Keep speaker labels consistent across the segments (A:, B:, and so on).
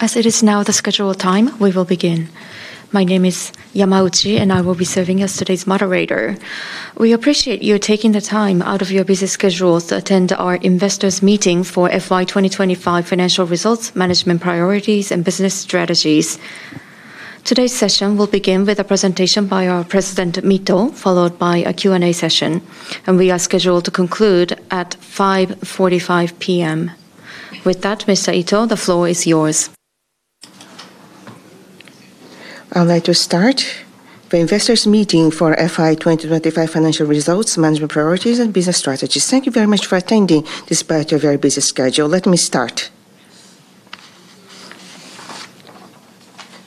A: As it is now the scheduled time, we will begin. My name is Yamauchi, and I will be serving as today's moderator. We appreciate you taking the time out of your busy schedules to attend our investors meeting for FY 2025 financial results, management priorities, and business strategies. Today's session will begin with a presentation by our President Mito, followed by a Q&A session, and we are scheduled to conclude at 5:45 P.M. With that, Mr. Mito, the floor is yours.
B: I'd like to start the investors meeting for FY 2025 financial results, management priorities, and business strategies. Thank you very much for attending despite your very busy schedule. Let me start.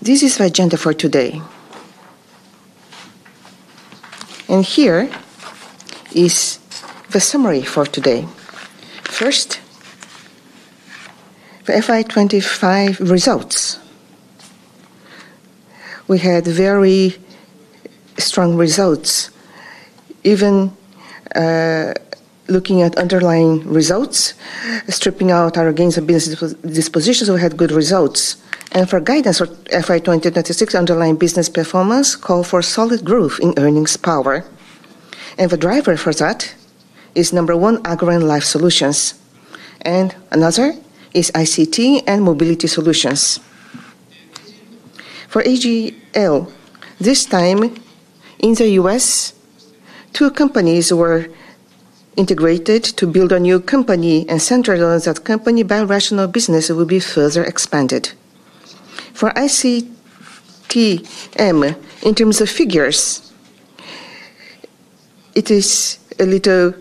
B: This is the agenda for today. Here is the summary for today. First, the FY 2025 results. We had very strong results. Even looking at underlying results, stripping out our gains and business dispositions, we had good results. For guidance for FY 2026 underlying business performance call for solid growth in earnings power. The driver for that is number 1, Agro & Life Solutions, and another is ICT & Mobility Solutions. For AGL, this time in the U.S., two companies were integrated to build a new company, and centralized that company biorational business will be further expanded. For ICTM, in terms of figures, it is a little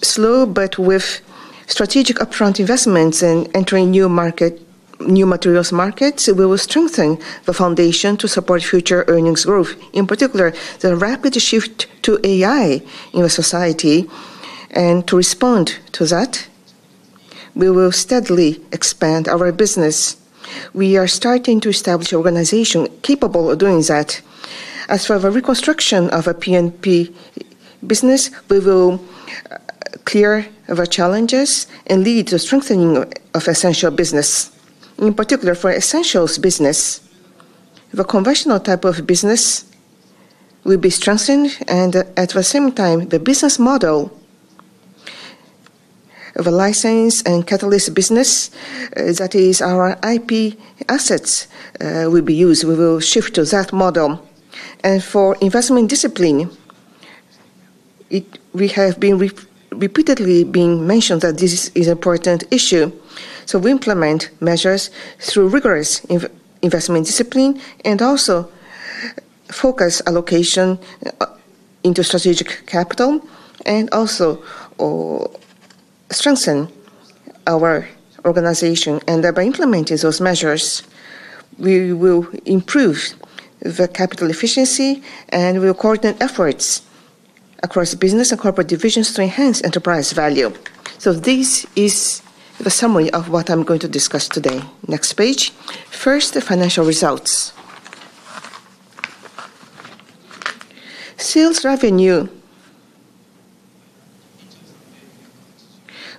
B: slow, but with strategic upfront investments in entering new market, new materials markets, we will strengthen the foundation to support future earnings growth. In particular, the rapid shift to AI in the society, to respond to that, we will steadily expand our business. We are starting to establish organization capable of doing that. As for the reconstruction of a P&P business, we will clear the challenges and lead to strengthening of essential business. In particular, for essentials business, the conventional type of business will be strengthened. At the same time, the business model of a license and catalyst business, that is our IP assets, will be used. We will shift to that model. For investment discipline, we have been repeatedly being mentioned that this is important issue. We implement measures through rigorous investment discipline and also focus allocation into strategic capital and also strengthen our organization. By implementing those measures, we will improve the capital efficiency, and we'll coordinate efforts across business and corporate divisions to enhance enterprise value. This is the summary of what I'm going to discuss today. Next page. First, the financial results. Sales revenue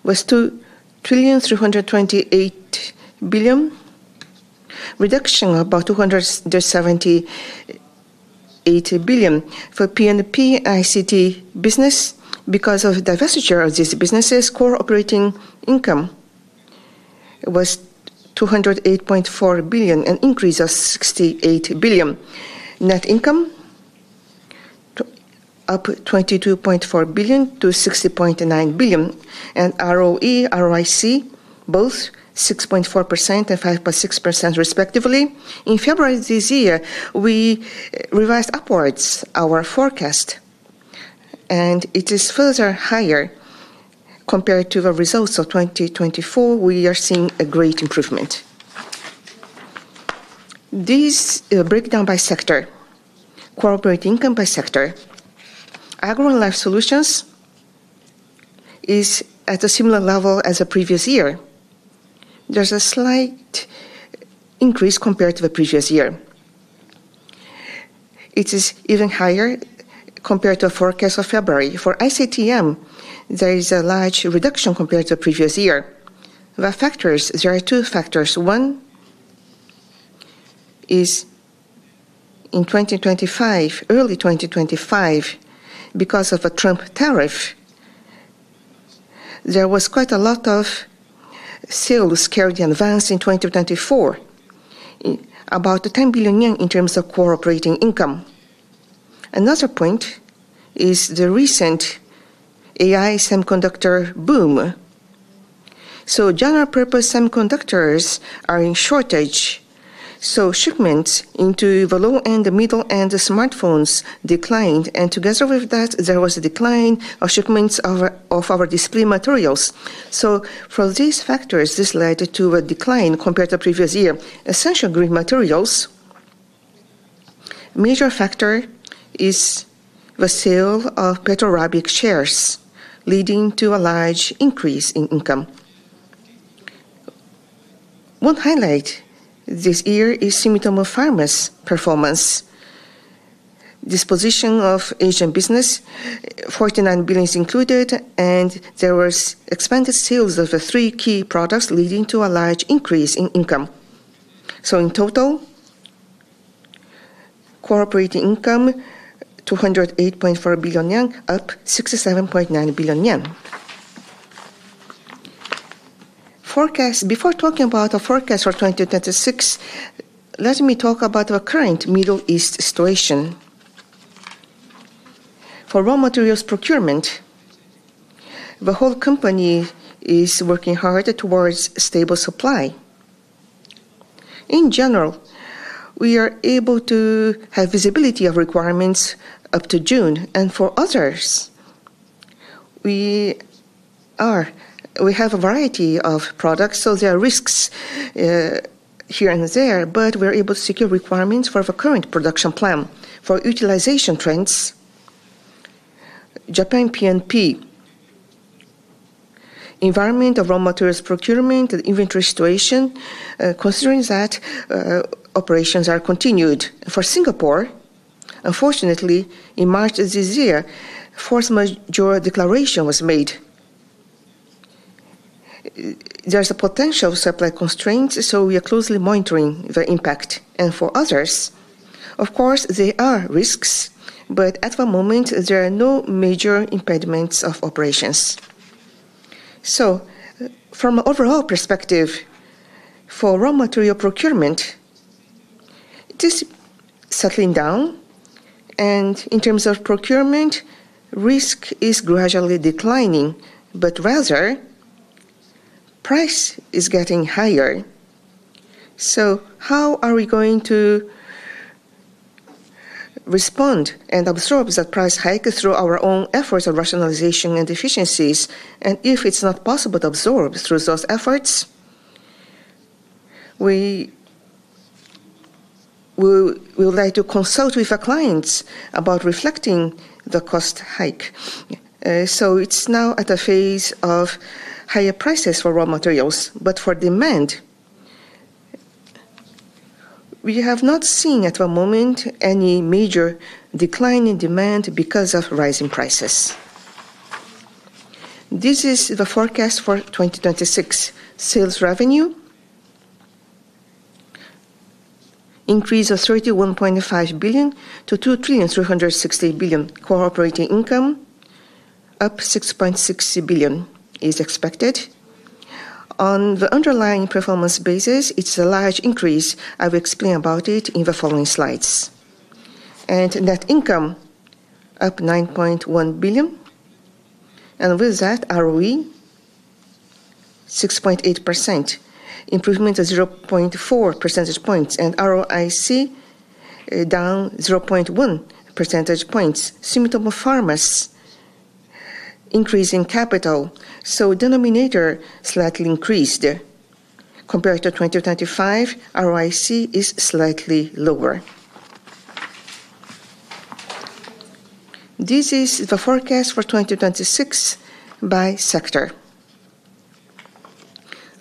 B: was 2,328 billion, reduction of about 278 billion. For P&P ICT business, because of the divestiture of these businesses, core operating income was JPY 208.4 billion, an increase of JPY 68 billion. Net income up 22.4 billion to 60.9 billion. ROE, ROIC, both 6.4% and 5.6% respectively. In February this year, we revised upwards our forecast, and it is further higher compared to the results of 2024. We are seeing a great improvement. This breakdown by sector, core operating income by sector. Agro & Life Solutions is at a similar level as the previous year. There's a slight increase compared to the previous year. It is even higher compared to forecast of February. For ICTM, there is a large reduction compared to previous year. The factors, there are two factors. One, is in 2025, early 2025, because of a Trump tariff, there was quite a lot of sales carried in advance in 2024, about 10 billion yen in terms of core operating income. Another point is the recent AI semiconductor boom. General purpose semiconductors are in shortage, shipments into the low-end, the middle-end smartphones declined, and together with that, there was a decline of shipments of our display materials. For these factors, this led to a decline compared to previous year. Essential & Green Materials, major factor is the sale of Petro Rabigh shares, leading to a large increase in income. One highlight this year is Sumitomo Pharma's performance. Disposition of Asian business, 49 billion included, and there was expanded sales of the three key products leading to a large increase in income. In total, core operating income 208.4 billion yen, up 67.9 billion yen. Forecast. Before talking about the forecast for 2026, let me talk about the current Middle East situation. For raw materials procurement, the whole company is working hard towards stable supply. In general, we are able to have visibility of requirements up to June, for others, we have a variety of products, so there are risks here and there, but we're able to secure requirements for the current production plan. For utilization trends, Japan P&P. Environment of raw materials procurement and inventory situation, considering that operations are continued. For Singapore, unfortunately, in March this year, force majeure declaration was made. There is a potential supply constraint, we are closely monitoring the impact. For others, of course, there are risks, but at the moment there are no major impediments of operations. From overall perspective, for raw material procurement, it is settling down, and in terms of procurement, risk is gradually declining, but rather price is getting higher. How are we going to respond and absorb that price hike through our own efforts of rationalization and efficiencies? If it's not possible to absorb through those efforts, we would like to consult with our clients about reflecting the cost hike. It's now at a phase of higher prices for raw materials, but for demand, we have not seen at the moment any major decline in demand because of rising prices. This is the forecast for 2026. Sales revenue increase of 31.5 billion to 2,360 billion. Core operating income, up 6.6 billion is expected. On the underlying performance basis, it's a large increase. I will explain about it in the following slides. Net income, up 9.1 billion. With that, ROE, 6.8%, improvement of 0.4 percentage points. ROIC, down 0.1 percentage points. Sumitomo Pharma increasing capital, so denominator slightly increased. Compared to 2025, ROIC is slightly lower. This is the forecast for 2026 by sector.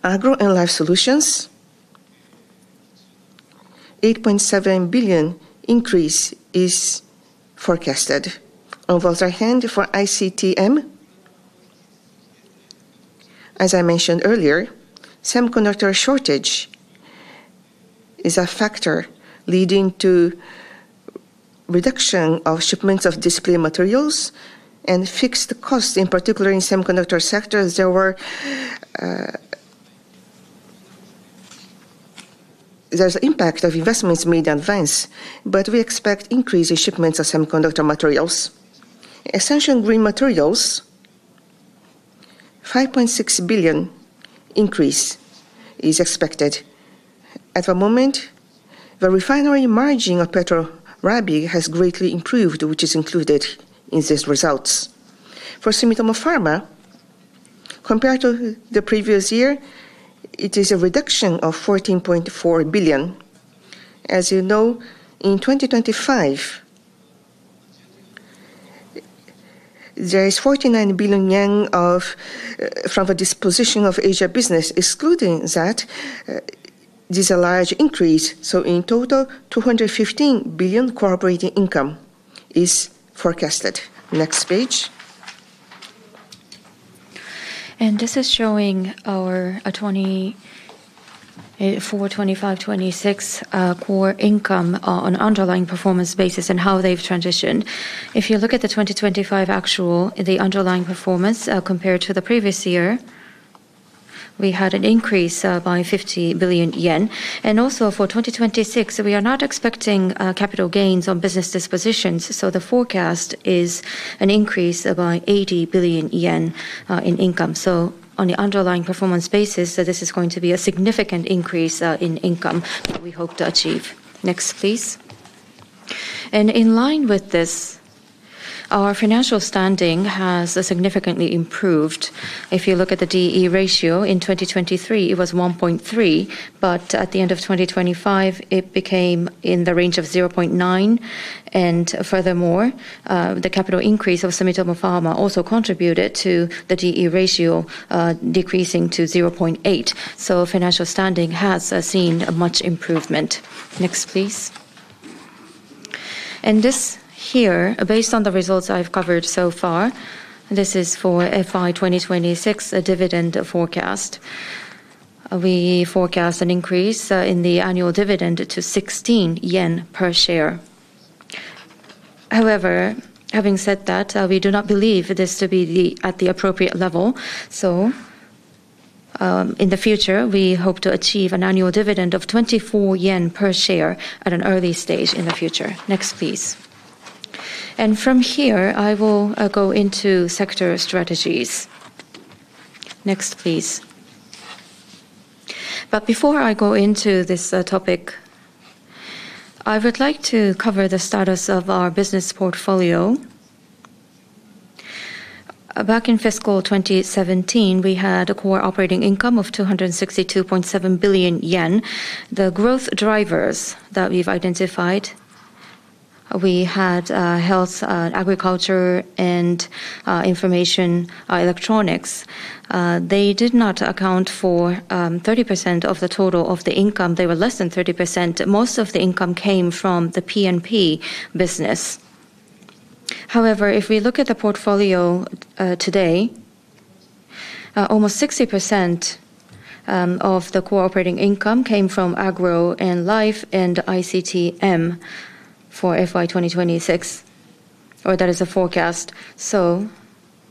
B: Agro & Life Solutions, JPY 8.7 billion increase is forecasted. On the other hand, for ICTM, as I mentioned earlier, semiconductor shortage is a factor leading to reduction of shipments of display materials and fixed costs. In particular in semiconductor sectors, there's impact of investments made in advance, but we expect increase in shipments of semiconductor materials. Essential & Green Materials, 5.6 billion increase is expected. At the moment, the refinery margin of Petro Rabigh has greatly improved, which is included in these results. For Sumitomo Pharma, compared to the previous year, it is a reduction of 14.4 billion. As you know, in 2025, there is 49 billion yen from the disposition of Asia business. Excluding that, this is a large increase. In total, 215 billion cooperating income is forecasted. Next page. This is showing our 2024, 2025, 2026 core income on underlying performance basis and how they've transitioned. If you look at the 2025 actual, the underlying performance, compared to the previous year, we had an increase by 50 billion yen. Also for 2026, we are not expecting capital gains on business dispositions, so the forecast is an increase by 80 billion yen in income. On the underlying performance basis, this is going to be a significant increase in income that we hope to achieve. Next, please. In line with this, our financial standing has significantly improved. If you look at the D/E ratio, in 2023 it was 1.3, but at the end of 2025, it became in the range of 0.9. Furthermore, the capital increase of Sumitomo Pharma also contributed to the D/E ratio decreasing to 0.8. Financial standing has seen a much improvement. Next, please. This here, based on the results I've covered so far, this is for FY 2026 dividend forecast. We forecast an increase in the annual dividend to 16 yen per share. However, having said that, we do not believe this to be at the appropriate level. In the future, we hope to achieve an annual dividend of 24 yen per share at an early stage in the future. Next, please. From here, I will go into sector strategies. Next, please. Before I go into this topic, I would like to cover the status of our business portfolio. Back in fiscal 2017, we had a core operating income of 262.7 billion yen. The growth drivers that we've identified, we had health, agriculture, and information, electronics. They did not account for 30% of the total of the income. They were less than 30%. Most of the income came from the P&P business. However, if we look at the portfolio today, almost 60% of the core operating income came from Agro & Life and ICTM for FY 2026, or that is the forecast.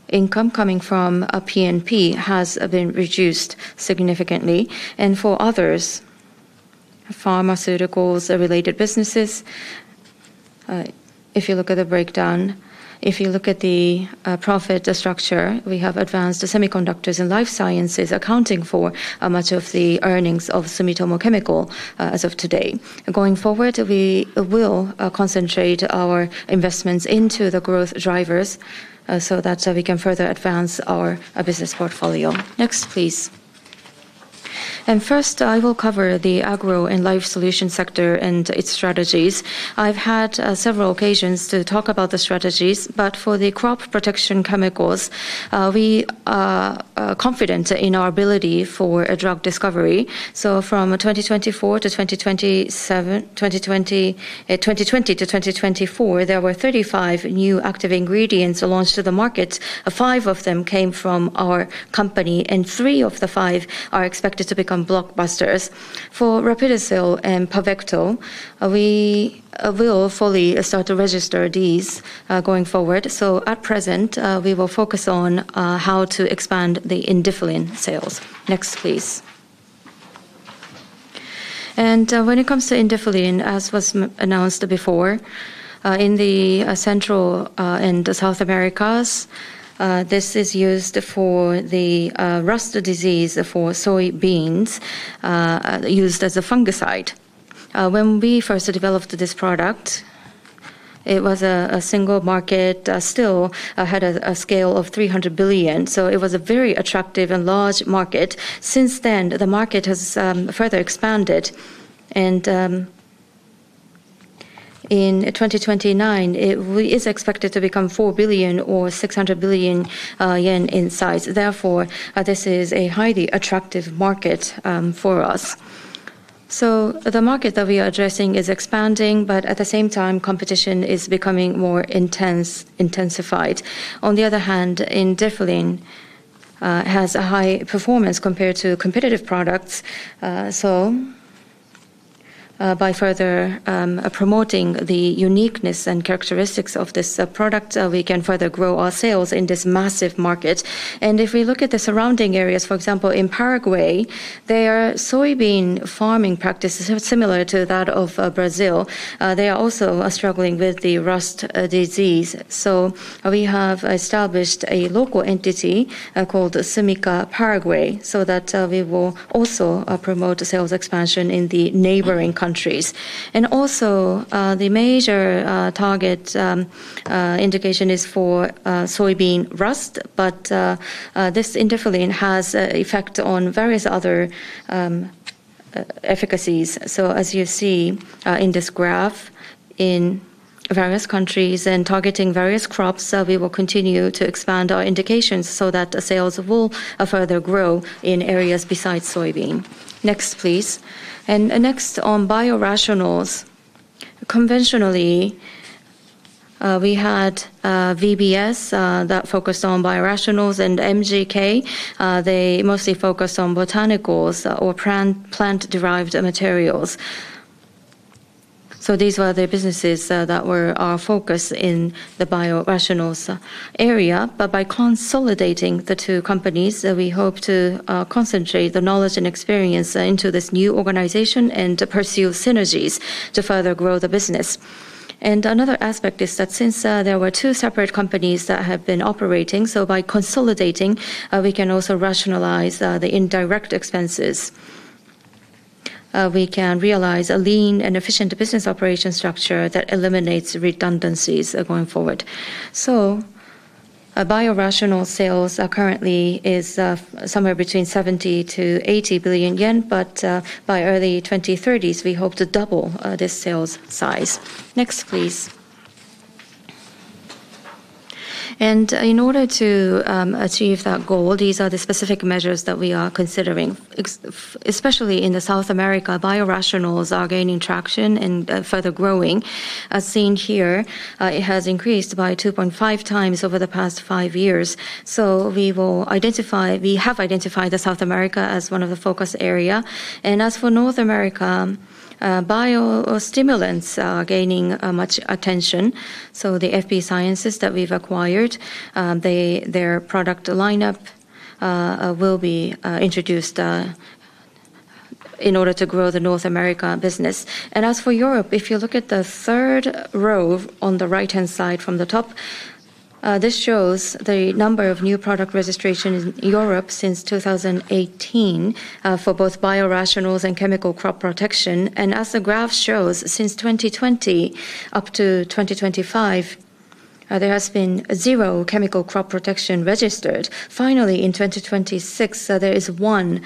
B: Income coming from a P&P has been reduced significantly. For others, pharmaceuticals or related businesses, if you look at the breakdown, if you look at the profit structure, we have advanced semiconductors and life sciences accounting for much of the earnings of Sumitomo Chemical as of today. Going forward, we will concentrate our investments into the growth drivers so that we can further advance our business portfolio. Next, please. First, I will cover the Agro & Life Solutions sector and its strategies. I've had several occasions to talk about the strategies, but for the crop protection chemicals, we are confident in our ability for a drug discovery. From 2024 to 2027- 2020 to 2024, there were 35 new active ingredients launched to the market. Five of them came from our company, and 3 of the 5 are expected to become blockbusters. For Rapidicil and Pavecto, we will fully start to register these going forward. At present, we will focus on how to expand the INDIFLIN sales. Next, please. When it comes to INDIFLIN, as was announced before, in the Central and the South Americas, this is used for the rust disease for soybeans, used as a fungicide. When we first developed this product, it was a single market, still had a scale of 300 billion. It was a very attractive and large market. Since then, the market has further expanded and in 2029, it is expected to become 4 billion or 600 billion yen in size. Therefore, this is a highly attractive market for us. The market that we are addressing is expanding, but at the same time, competition is becoming more intensified. On the other hand, INDIFLIN has a high performance compared to competitive products. By further promoting the uniqueness and characteristics of this product, we can further grow our sales in this massive market. If we look at the surrounding areas, for example, in Paraguay, their soybean farming practices are similar to that of Brazil. They are also struggling with the rust disease. We have established a local entity called Sumika Paraguay so that we will also promote sales expansion in the neighboring countries. The major target indication is for soybean rust, but this INDIFLIN has effect on various other efficacies. As you see in this graph, in various countries and targeting various crops, we will continue to expand our indications so that sales will further grow in areas besides soybean. Next, please. Next on biorationals. Conventionally, we had VBS that focused on biorationals and MGK. They mostly focus on botanicals or plant-derived materials. These were the businesses that were our focus in the biorationals area. By consolidating the two companies, we hope to concentrate the knowledge and experience into this new organization and pursue synergies to further grow the business. Another aspect is that since there were two separate companies that have been operating, by consolidating, we can also rationalize the indirect expenses. We can realize a lean and efficient business operation structure that eliminates redundancies going forward. Our biorational sales are currently is somewhere between 70 billion-80 billion yen, but by early 2030s, we hope to double this sales size. Next, please. In order to achieve that goal, these are the specific measures that we are considering. Especially in South America, biorationals are gaining traction and further growing. As seen here, it has increased by 2.5x over the past five years. We have identified South America as one of the focus area. As for North America, biostimulants are gaining much attention, so the FBSciences that we've acquired, their product lineup will be introduced in order to grow the North America business. As for Europe, if you look at the third row on the right-hand side from the top, this shows the number of new product registration in Europe since 2018 for both biorationals and chemical crop protection. As the graph shows, since 2020 up to 2025, there has been zero chemical crop protection registered. Finally, in 2026, there is one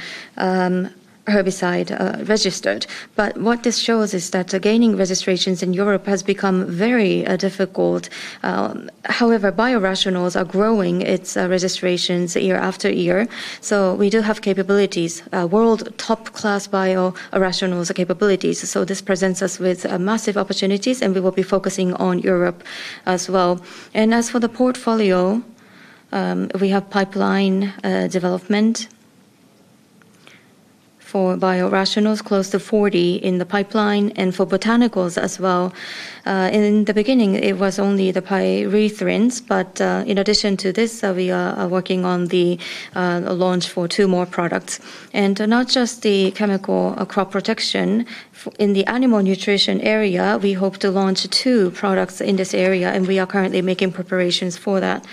B: herbicide registered. What this shows is that gaining registrations in Europe has become very difficult. However, biorationals are growing its registrations year-after- year, so we do have capabilities, world top-class biorationals capabilities. This presents us with massive opportunities, and we will be focusing on Europe as well. As for the portfolio, we have pipeline development for biorationals close to 40 in the pipeline and for botanicals as well. In the beginning, it was only the pyrethrins, but in addition to this, we are working on the launch for two more products. Not just the chemical crop protection. In the animal nutrition area, we hope to launch two products in this area, and we are currently making preparations for that.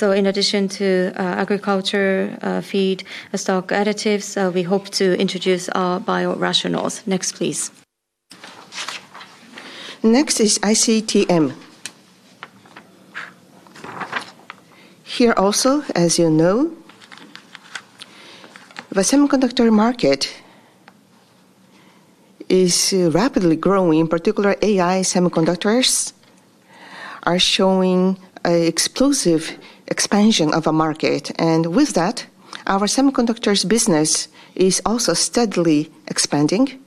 B: In addition to agriculture, feed, stock additives, we hope to introduce our biorationals. Next, please. Next is ICTM. Here also, as you know, the semiconductor market is rapidly growing. In particular, AI semiconductors are showing a explosive expansion of a market. With that, our semiconductors business is also steadily expanding.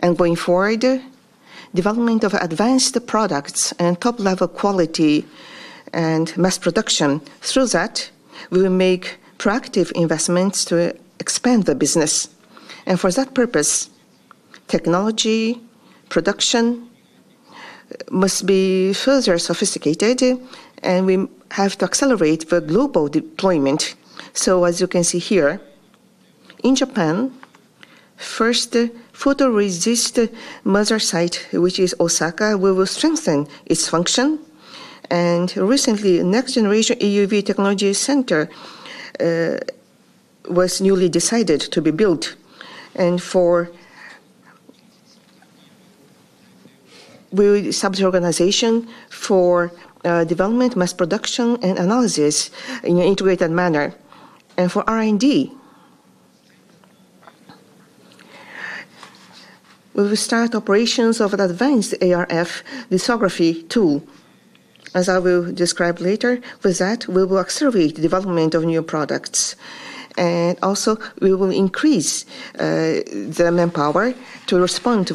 B: Going forward, development of advanced products and top-level quality and mass production, through that, we will make proactive investments to expand the business. For that purpose, technology, production must be further sophisticated, and we have to accelerate the global deployment. As you can see here, in Japan, first photoresist mother site, which is Osaka, we will strengthen its function. Recently, next generation EUV technology center was newly decided to be built. We will establish organization for development, mass production and analysis in an integrated manner. For R&D, we will start operations of advanced ArF lithography tool. As I will describe later, with that, we will accelerate the development of new products. We will increase the manpower to respond.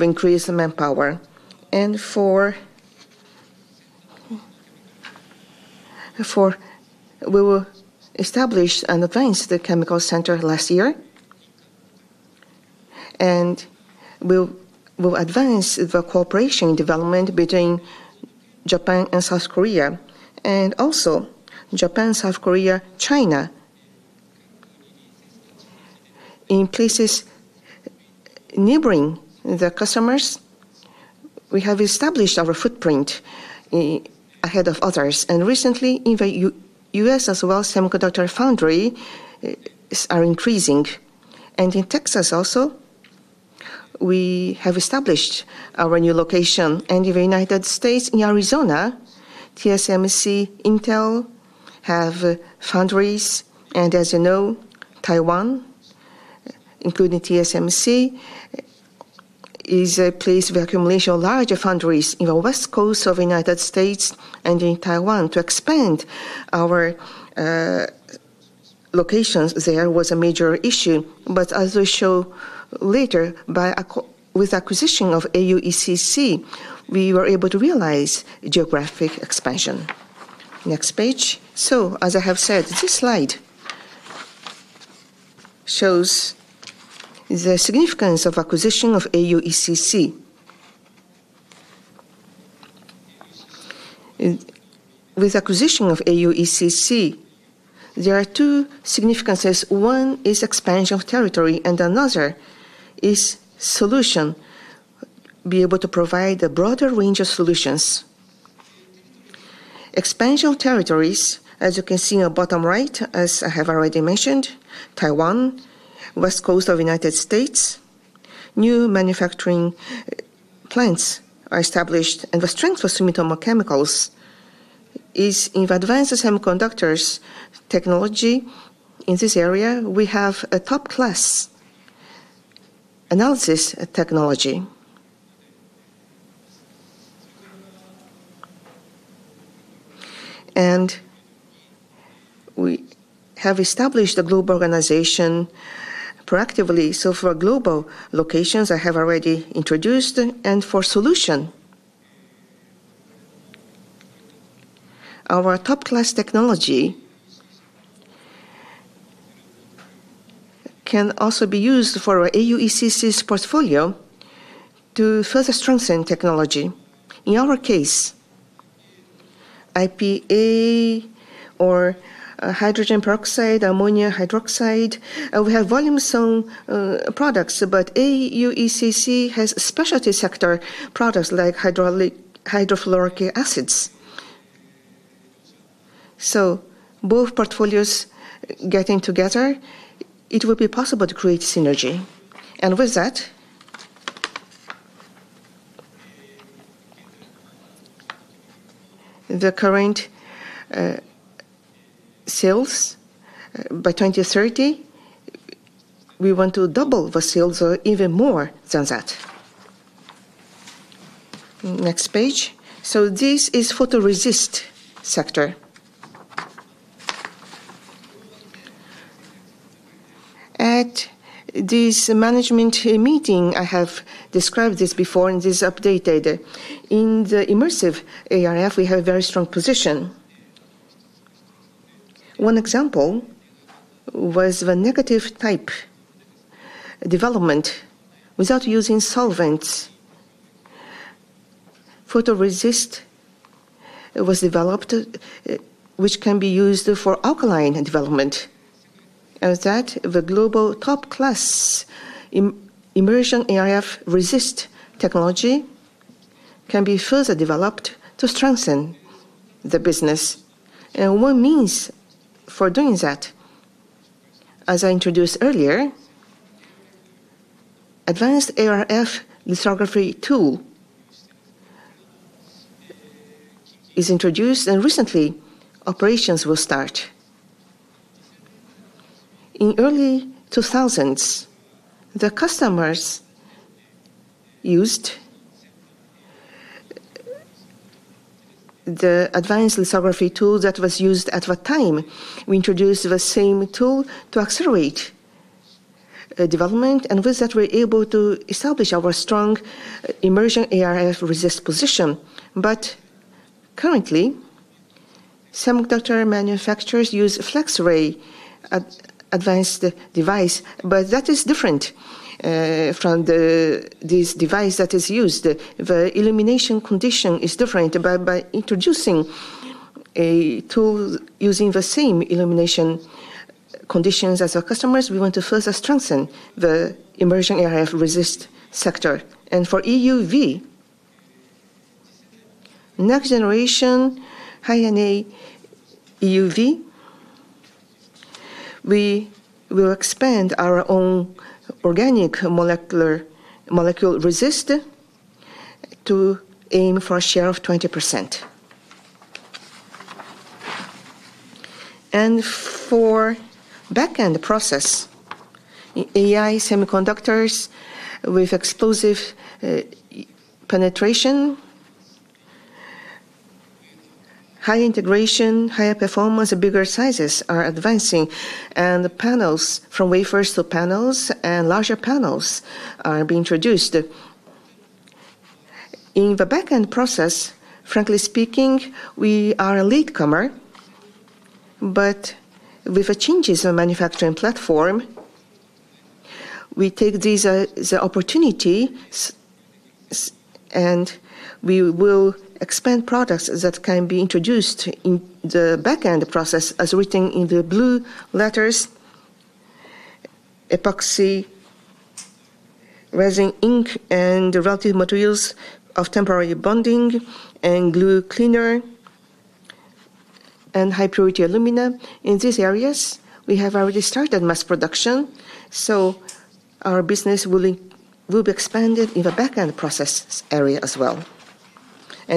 B: We will establish an advanced chemical center last year and we'll advance the cooperation development between Japan and South Korea, and also Japan, South Korea, China. In places neighboring the customers, we have established our footprint ahead of others. Recently, in the U.S. as well, semiconductor foundry are increasing. In Texas also, we have established our new location. In the United States, in Arizona, TSMC, Intel have foundries. As you know, Taiwan, including TSMC, is a place of accumulation of larger foundries in the west coast of the U.S. and in Taiwan. To expand our locations there was a major issue. As we show later, with acquisition of AUECC, we were able to realize geographic expansion. Next page. As I have said, this slide shows the significance of acquisition of AUECC. With acquisition of AUECC, there are two significances. One is expansion of territory, and another is solution. Be able to provide a broader range of solutions. Expansion of territories, as you can see in the bottom right, as I have already mentioned, Taiwan, west coast of U.S., new manufacturing plants are established. The strength of Sumitomo Chemical Company is in advanced semiconductors technology. In this area, we have a top-class Analysis technology. We have established a global organization proactively. For global locations, I have already introduced, and for solution, our top-class technology can also be used for our AUECC's portfolio to further strengthen technology. In our case, IPA or hydrogen peroxide, ammonium hydroxide, we have volume zone products, but AUECC has specialty sector products like hydrofluoric acids. Both portfolios getting together, it will be possible to create synergy. With that, the current sales by 2030, we want to double the sales or even more than that. Next page. This is photoresist sector. At this management meeting, I have described this before and this is updated. In the immersion ArF, we have very strong position. One example was the negative type development without using solvents. Photoresist was developed, which can be used for alkaline development. As at the global top class immersion ArF resist technology can be further developed to strengthen the business. One means for doing that, as I introduced earlier, advanced ArF lithography tool is introduced and recently operations will start. In early 2000s, the customers used the advanced lithography tool that was used at the time. We introduced the same tool to accelerate the development, and with that, we're able to establish our strong immersion ArF resist position. Currently, some other manufacturers use FlexRay advanced device, but that is different from this device that is used. The illumination condition is different, but by introducing a tool using the same illumination conditions as our customers, we want to further strengthen the immersion ArF resist sector. For EUV, next generation High-NA EUV, we will expand our own organic molecule resist to aim for a share of 20%. For backend process, AI semiconductors with explosive penetration, high integration, higher performance, and bigger sizes are advancing, and the panels, from wafers to panels and larger panels are being introduced. In the backend process, frankly speaking, we are a latecomer. With the changes in manufacturing platform, we take this opportunity and we will expand products that can be introduced in the backend process as written in the blue letters, epoxy resin ink and the relative materials of temporary bonding and Glue Cleaner and high-purity alumina. In these areas, we have already started mass production. Our business will be expanded in the backend process area as well.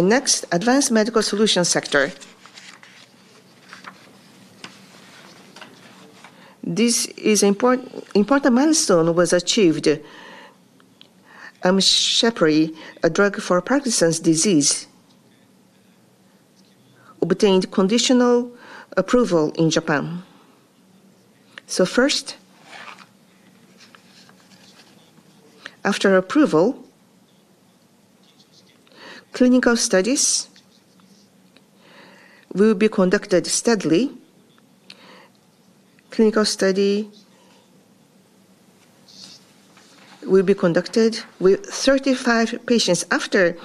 B: Next, Advanced Medical Solutions sector. This is important milestone was achieved. Amchepry, a drug for Parkinson's disease, obtained conditional approval in Japan. First, after approval, clinical studies will be conducted steadily. Clinical study will be conducted with 35 patients. After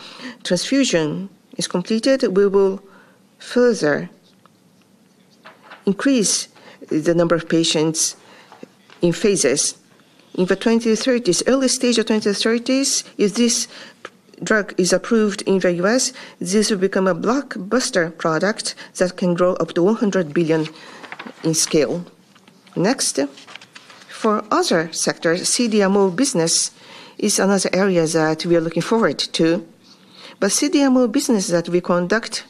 B: transfusion is completed, we will further increase the number of patients in phases. In the 2030s, early stage of 2030s, if this drug is approved in the U.S., this will become a blockbuster product that can grow up to 100 billion in scale. For other sectors, CDMO business is another area that we are looking forward to. The CDMO business that we conduct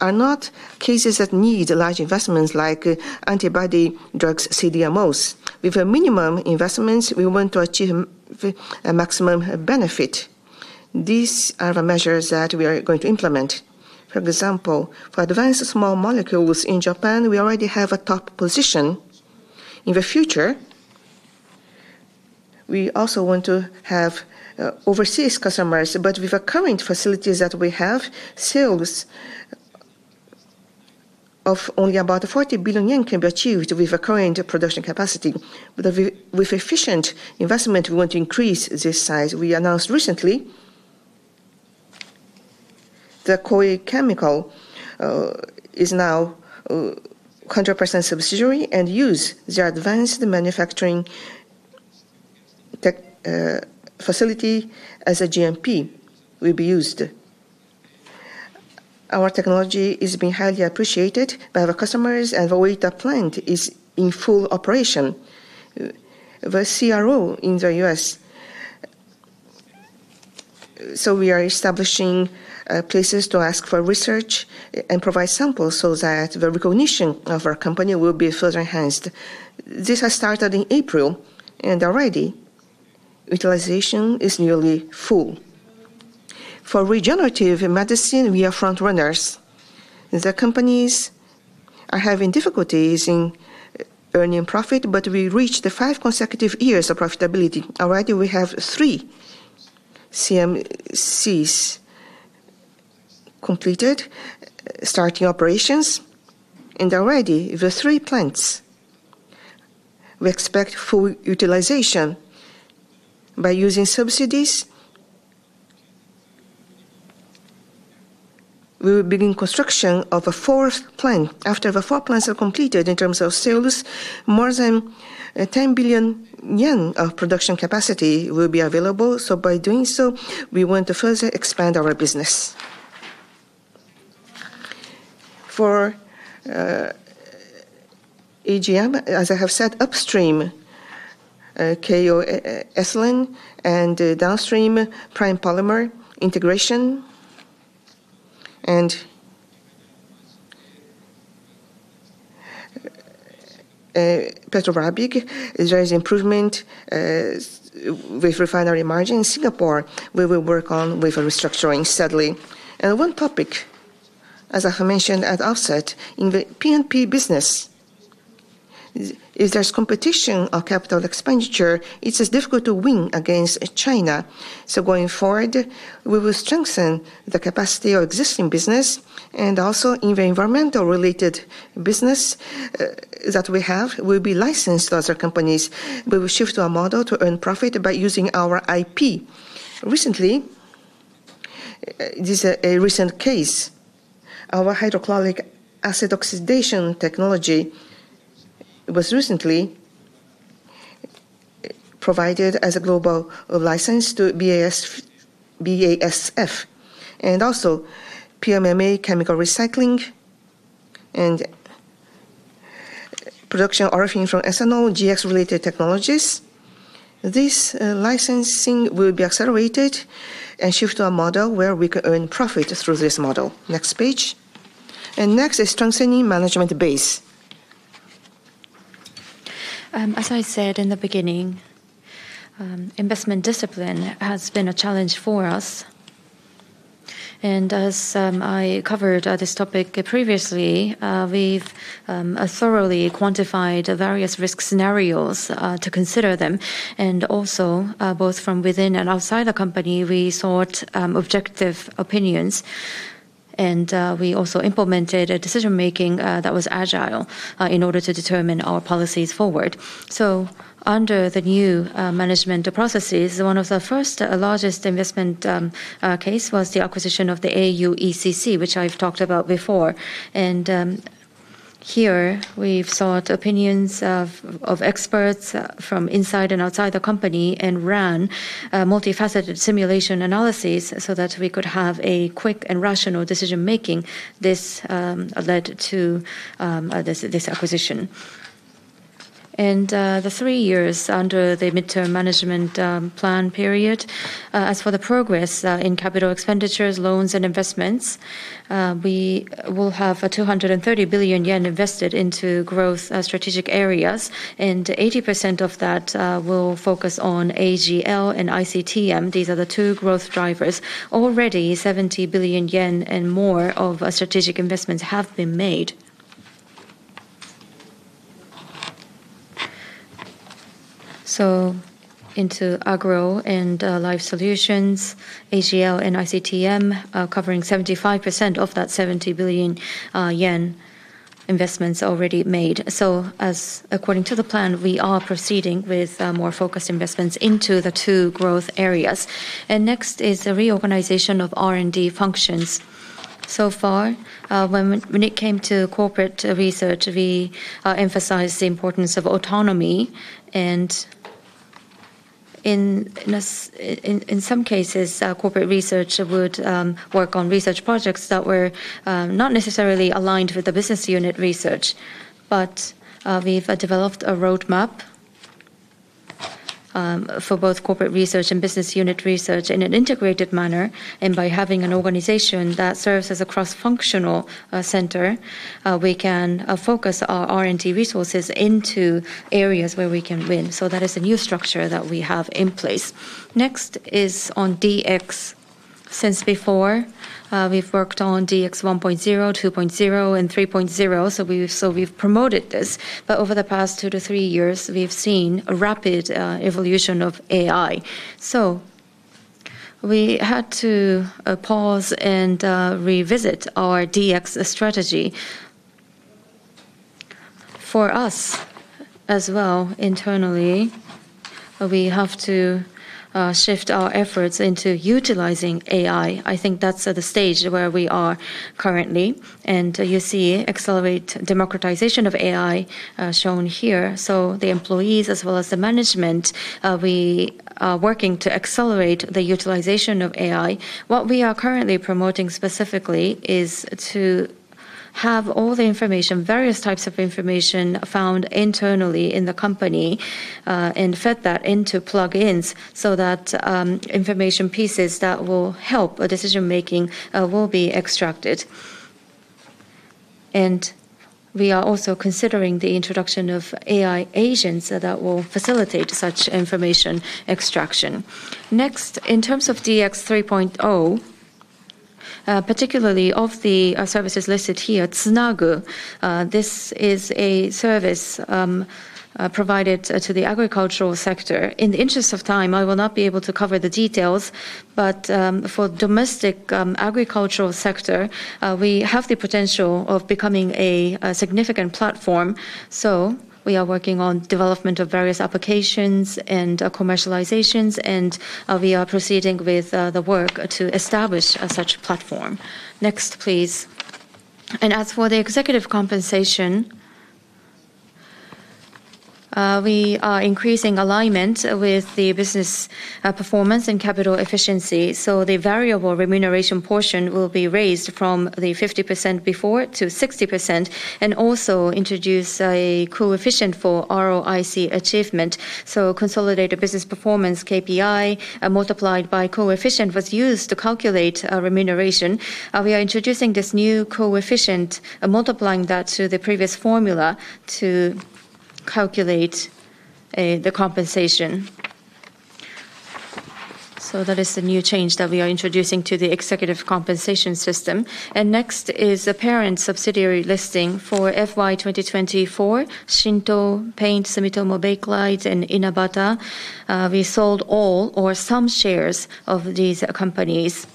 B: are not cases that need large investments like antibody drugs CDMOs. With a minimum investment, we want to achieve a maximum benefit. These are the measures that we are going to implement. For advanced small molecules in Japan, we already have a top position. In the future, we also want to have overseas customers, with the current facilities that we have, sales of only about 40 billion yen can be achieved with the current production capacity. With efficient investment, we want to increase this size. We announced recently that Koei Chemical is now a 100% subsidiary and use their advanced manufacturing tech facility as a GMP will be used. Our technology is being highly appreciated by the customers, the Oita plant is in full operation. The CRO in the U.S., we are establishing places to ask for research and provide samples so that the recognition of our company will be further enhanced. This has started in April, already utilization is nearly full. For regenerative medicine, we are front runners. The companies are having difficulties in earning profit, we reached the five consecutive years of profitability. Already we have three CMCs completed, starting operations, already the three plants, we expect full utilization. By using subsidies, we will begin construction of a fourth plant. After the four plants are completed, in terms of sales, more than 10 billion yen of production capacity will be available. By doing so, we want to further expand our business. For EGM, as I have said, upstream Keiyo Ethylene and downstream Prime Polymer integration and Petro Rabigh, there is improvement with refinery margin. Singapore, we will work on with a restructuring steadily. One topic, as I have mentioned at outset, in the P&P business, there's competition of capital expenditure. It is difficult to win against China. Going forward, we will strengthen the capacity of existing business, and also in the environmental related business that we have will be licensed to other companies. We will shift our model to earn profit by using our IP. Recently, this is a recent case. Our hydrochloric acid oxidation technology was recently provided as a global license to BASF, also PMMA chemical recycling and production olefin from ethanol, GX related technologies. This licensing will be accelerated and shift to a model where we can earn profit through this model. Next page. Next is strengthening management base. As I said in the beginning, investment discipline has been a challenge for us. As I covered this topic previously, we've thoroughly quantified various risk scenarios to consider them. Also, both from within and outside the company, we sought objective opinions. We also implemented a decision-making that was agile in order to determine our policies forward. Under the new management processes, one of the first largest investment case was the acquisition of the AUECC, which I've talked about before. Here we've sought opinions of experts from inside and outside the company and ran a multifaceted simulation analysis so that we could have a quick and rational decision-making. This led to this acquisition. The three years under the midterm management plan period, as for the progress in capital expenditures, loans, and investments, we will have 230 billion yen invested into growth strategic areas, and 80% of that will focus on AGL and ICTM. These are the two growth drivers. Already 70 billion yen and more of strategic investments have been made. Into Agro & Life Solutions, AGL and ICTM are covering 75% of that 70 billion yen investments already made. As according to the plan, we are proceeding with more focused investments into the two growth areas. Next is the reorganization of R&D functions. So far, when it came to corporate research, we emphasized the importance of autonomy. In some cases, corporate research would work on research projects that were not necessarily aligned with the business unit research. We've developed a roadmap for both corporate research and business unit research in an integrated manner, and by having an organization that serves as a cross-functional center, we can focus our R&D resources into areas where we can win. That is the new structure that we have in place. Next is on DX. Since before, we've worked on DX 1.0, 2.0, and 3.0, so we've promoted this. Over the past two to three years, we've seen a rapid evolution of AI. We had to pause and revisit our DX strategy. For us as well internally, we have to shift our efforts into utilizing AI. I think that's at the stage where we are currently. You see accelerate democratization of AI shown here. The employees as well as the management, we are working to accelerate the utilization of AI. What we are currently promoting specifically is to have all the information, various types of information, found internally in the company, and fed that into plug-ins so that information pieces that will help a decision-making will be extracted. We are also considering the introduction of AI agents that will facilitate such information extraction. Next, in terms of DX 3.0, particularly of the services listed here, Tsunagu, this is a service provided to the agricultural sector. In the interest of time, I will not be able to cover the details, but for domestic agricultural sector, we have the potential of becoming a significant platform. We are working on development of various applications and commercializations. We are proceeding with the work to establish such platform. Next, please. As for the executive compensation, we are increasing alignment with the business performance and capital efficiency. The variable remuneration portion will be raised from the 50% before to 60% and also introduce a coefficient for ROIC achievement. Consolidated business performance KPI multiplied by coefficient was used to calculate remuneration. We are introducing this new coefficient and multiplying that to the previous formula to calculate the compensation. That is the new change that we are introducing to the executive compensation system. Next is the parent subsidiary listing for FY 2024, Shinto Paint, Sumitomo Bakelite, and Inabata. We sold all or some shares of these companies.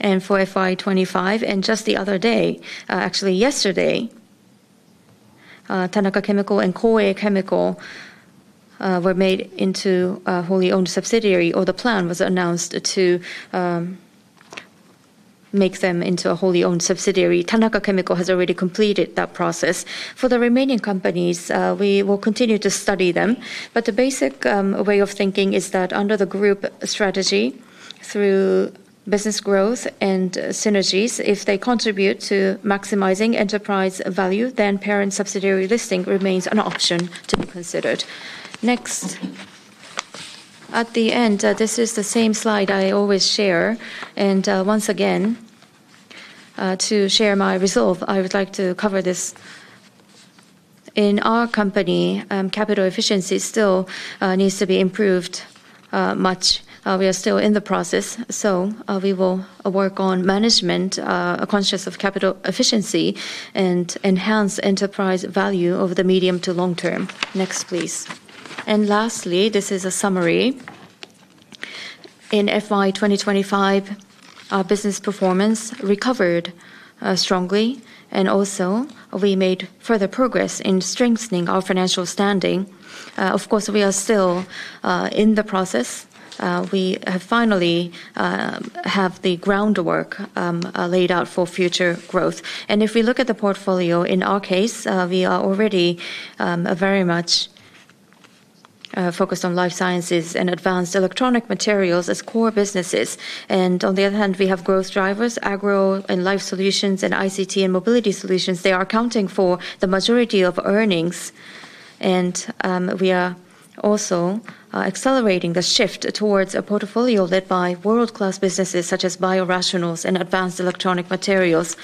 B: For FY 2025, and just the other day, actually yesterday, Tanaka Chemical and Koei Chemical were made into a wholly owned subsidiary, or the plan was announced to make them into a wholly owned subsidiary. Tanaka Chemical has already completed that process. For the remaining companies, we will continue to study them. The basic way of thinking is that under the group strategy through business growth and synergies, if they contribute to maximizing enterprise value, then parent subsidiary listing remains an option to be considered. Next. At the end, this is the same slide I always share. Once again, to share my resolve, I would like to cover this. In our company, capital efficiency still needs to be improved much. We are still in the process, so we will work on management conscious of capital efficiency and enhance enterprise value over the medium to long term. Next, please. Lastly, this is a summary. In FY 2025, our business performance recovered strongly, and also we made further progress in strengthening our financial standing. Of course, we are still in the process. We have finally have the groundwork laid out for future growth. If we look at the portfolio, in our case, we are already very much focused on life sciences and advanced electronic materials as core businesses. On the other hand, we have growth drivers, Agro & Life Solutions and ICT & Mobility Solutions. They are accounting for the majority of earnings. We are also accelerating the shift towards a portfolio led by world-class businesses such as biorationals and advanced electronic materials.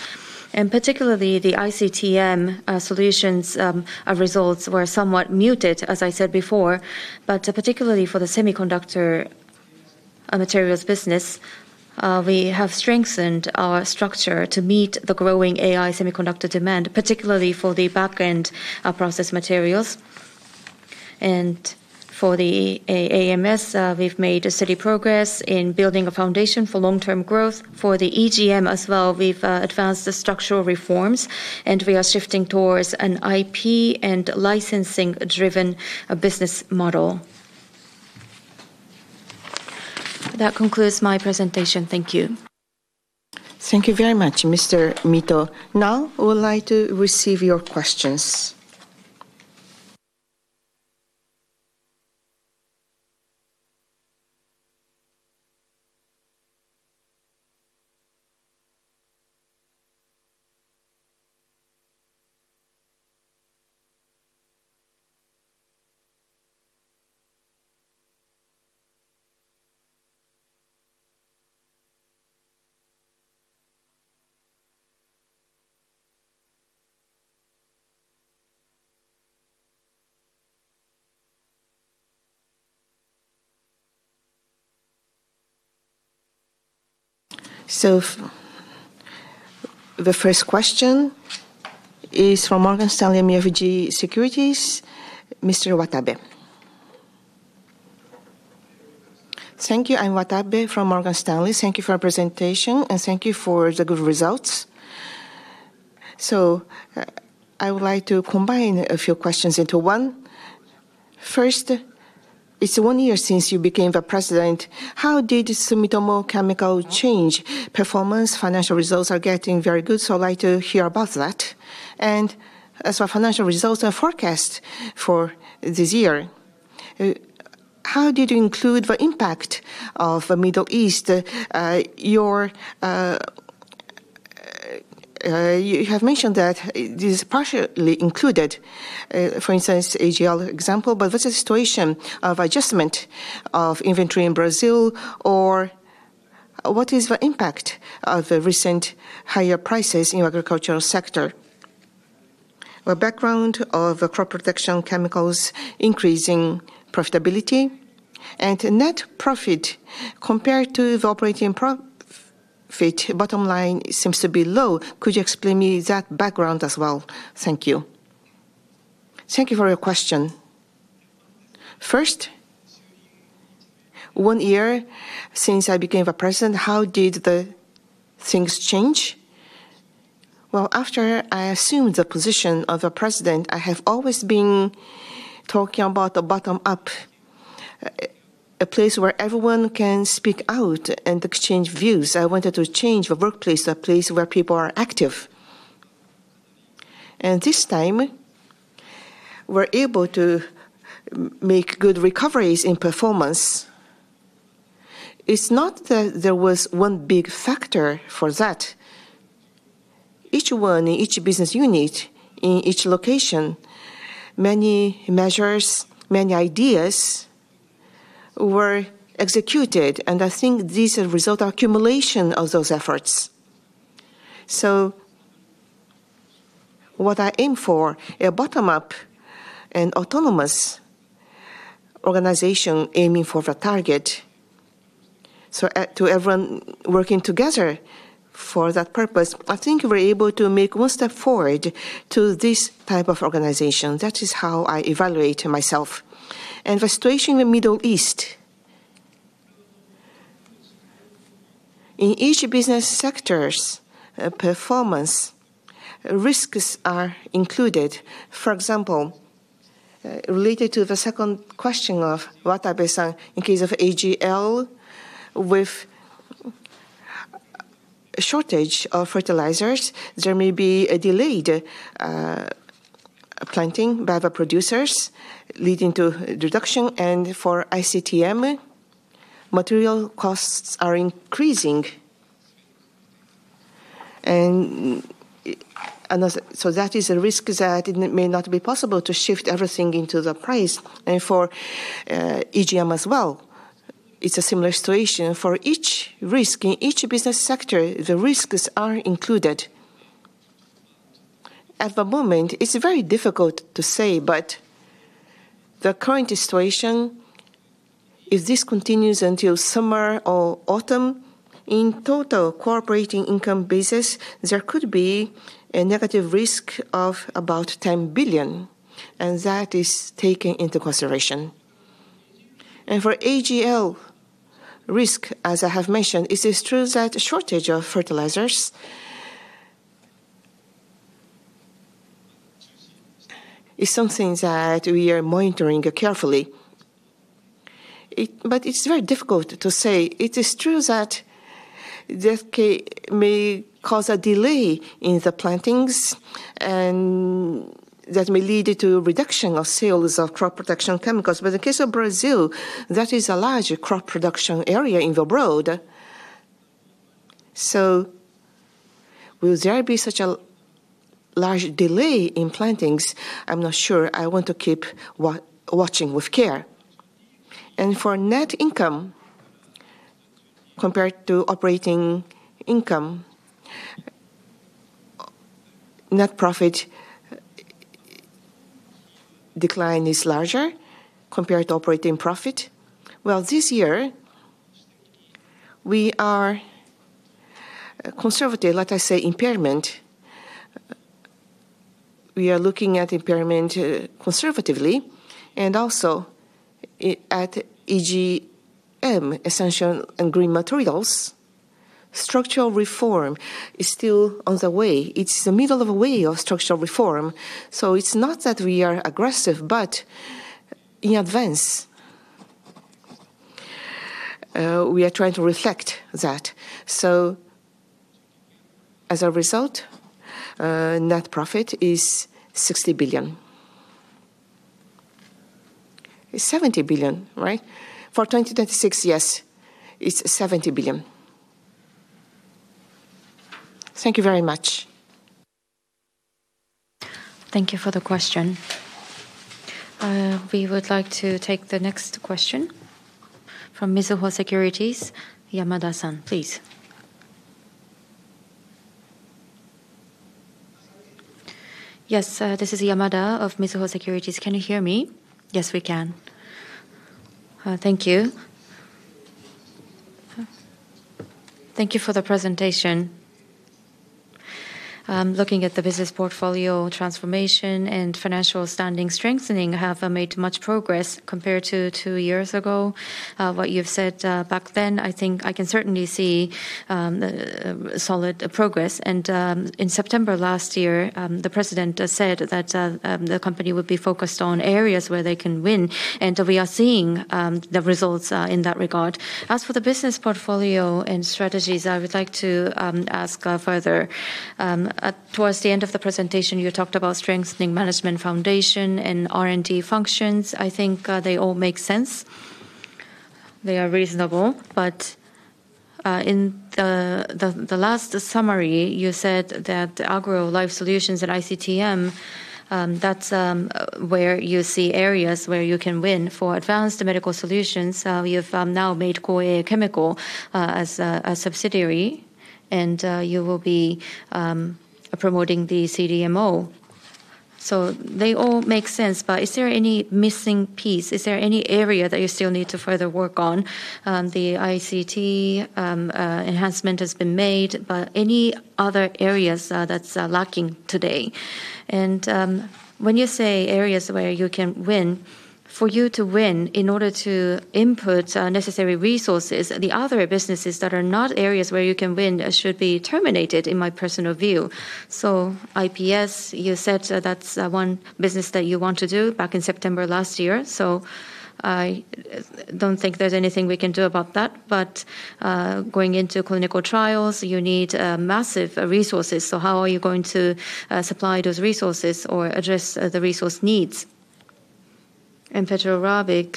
B: Particularly the ICTM solutions results were somewhat muted, as I said before. Particularly for the semiconductor materials business, we have strengthened our structure to meet the growing AI semiconductor demand, particularly for the backend process materials. For the AMS, we've made a steady progress in building a foundation for long-term growth. For the EGM as well, we've advanced the structural reforms, and we are shifting towards an IP and licensing-driven business model. That concludes my presentation. Thank you.
A: Thank you very much, Mr. Mito. Now I would like to receive your questions. The first question is from Morgan Stanley MUFG Securities, Mr. Watabe.
C: Thank you. I'm Watabe from Morgan Stanley. Thank you for your presentation, and thank you for the good results. I would like to combine a few questions into one. First, it's one year since you became the President. How did Sumitomo Chemical change? Performance, financial results are getting very good, so I'd like to hear about that. As for financial results and forecast for this year, how did you include the impact of the Middle East? You have mentioned that it is partially included, for instance, AGL example. What's the situation of adjustment of inventory in Brazil, or what is the impact of the recent higher prices in agricultural sector? The background of crop protection chemicals increasing profitability and net profit compared to the operating profit, bottom line seems to be low. Could you explain me that background as well? Thank you.
B: Thank you for your question. First, one year since I became the President, how did the things change? Well, after I assumed the position of the President, I have always been talking about the bottom-up, a place where everyone can speak out and exchange views. I wanted to change the workplace, a place where people are active. This time, we're able to make good recoveries in performance. It's not that there was one big factor for that. Each one in each business unit in each location, many measures, many ideas were executed, and I think this result accumulation of those efforts. What I aim for, a bottom-up and autonomous organization aiming for the target, e- to everyone working together for that purpose, I think we're able to make one step forward to this type of organization. That is how I evaluate myself. The situation in Middle East. In each business sector's performance, risks are included. For example, related to the second question of Watabe, in case of AGL, with shortage of fertilizers, there may be a delayed planting by the producers, leading to reduction. For ICTM, material costs are increasing. That is a risk that it may not be possible to shift everything into the price. For EGM as well, it's a similar situation. For each risk in each business sector, the risks are included. At the moment, it's very difficult to say, but the current situation, if this continues until summer or autumn, in total core operating income business, there could be a negative risk of about 10 billion, and that is taken into consideration. For AGL risk, as I have mentioned, it is true that shortage of fertilizers is something that we are monitoring carefully. It's very difficult to say. It is true that this may cause a delay in the plantings, and that may lead to reduction of sales of crop protection chemicals. In case of Brazil, that is a large crop production area in the world. Will there be such a large delay in plantings? I'm not sure. I want to keep watching with care. For net income, compared to operating income, net profit decline is larger compared to operating profit. Well, this year, we are conservative. Like I say, impairment, we are looking at impairment conservatively, and also at EGM, Essential & Green Materials, structural reform is still on the way. It's the middle of a way of structural reform, so it's not that we are aggressive, but in advance, we are trying to reflect that. As a result, net profit is 60 billion. It's 70 billion, right? For 2036, yes, it's 70 billion.
C: Thank you very much.
A: Thank you for the question. We would like to take the next question from Mizuho Securities. Yamada San, please.
D: Yes, this is Yamada of Mizuho Securities. Can you hear me? Yes, we can. Thank you. Thank you for the presentation. Looking at the business portfolio transformation and financial standing strengthening have made much progress compared to two years ago. What you've said back then, I think I can certainly see solid progress. In September last year, the president said that the company would be focused on areas where they can win, and we are seeing the results in that regard. As for the business portfolio and strategies, I would like to ask further. Towards the end of the presentation, you talked about strengthening management foundation and R&D functions. I think they all make sense. They are reasonable. In the last summary, you said that Agro & Life Solutions and ICTM, that's where you see areas where you can win. For Advanced Medical Solutions, you've now made Koei Chemical as a subsidiary, and you will be promoting the CDMO. They all make sense, but is there any missing piece? Is there any area that you still need to further work on? The ICT enhancement has been made, but any other areas that's lacking today? When you say areas where you can win, for you to win, in order to input necessary resources, the other businesses that are not areas where you can win should be terminated, in my personal view. iPS, you said that's one business that you want to do back in September last year. I don't think there's anything we can do about that. Going into clinical trials, you need massive resources. How are you going to supply those resources or address the resource needs? Petro Rabigh,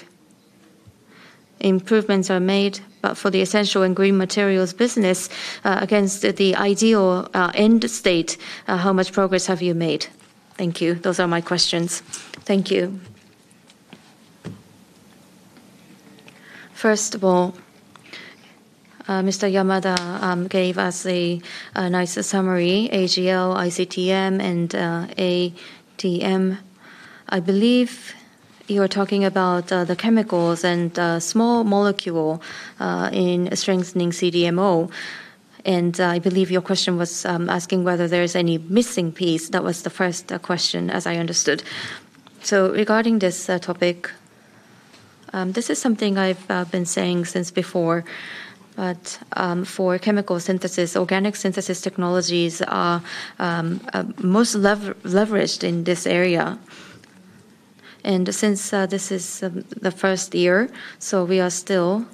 D: improvements are made, but for the Essential & Green Materials business, against the ideal end state, how much progress have you made? Thank you. Those are my questions. Thank you.
B: First of all, Mr. Yamada gave us a nice summary, AGL, ICTM, and ATM. I believe you're talking about the chemicals and small molecule in strengthening CDMO, and I believe your question was asking whether there is any missing piece. That was the first question, as I understood. Regarding this topic, this is something I've been saying since before. For chemical synthesis, organic synthesis technologies are most leveraged in this area. Since this is the first year, we are still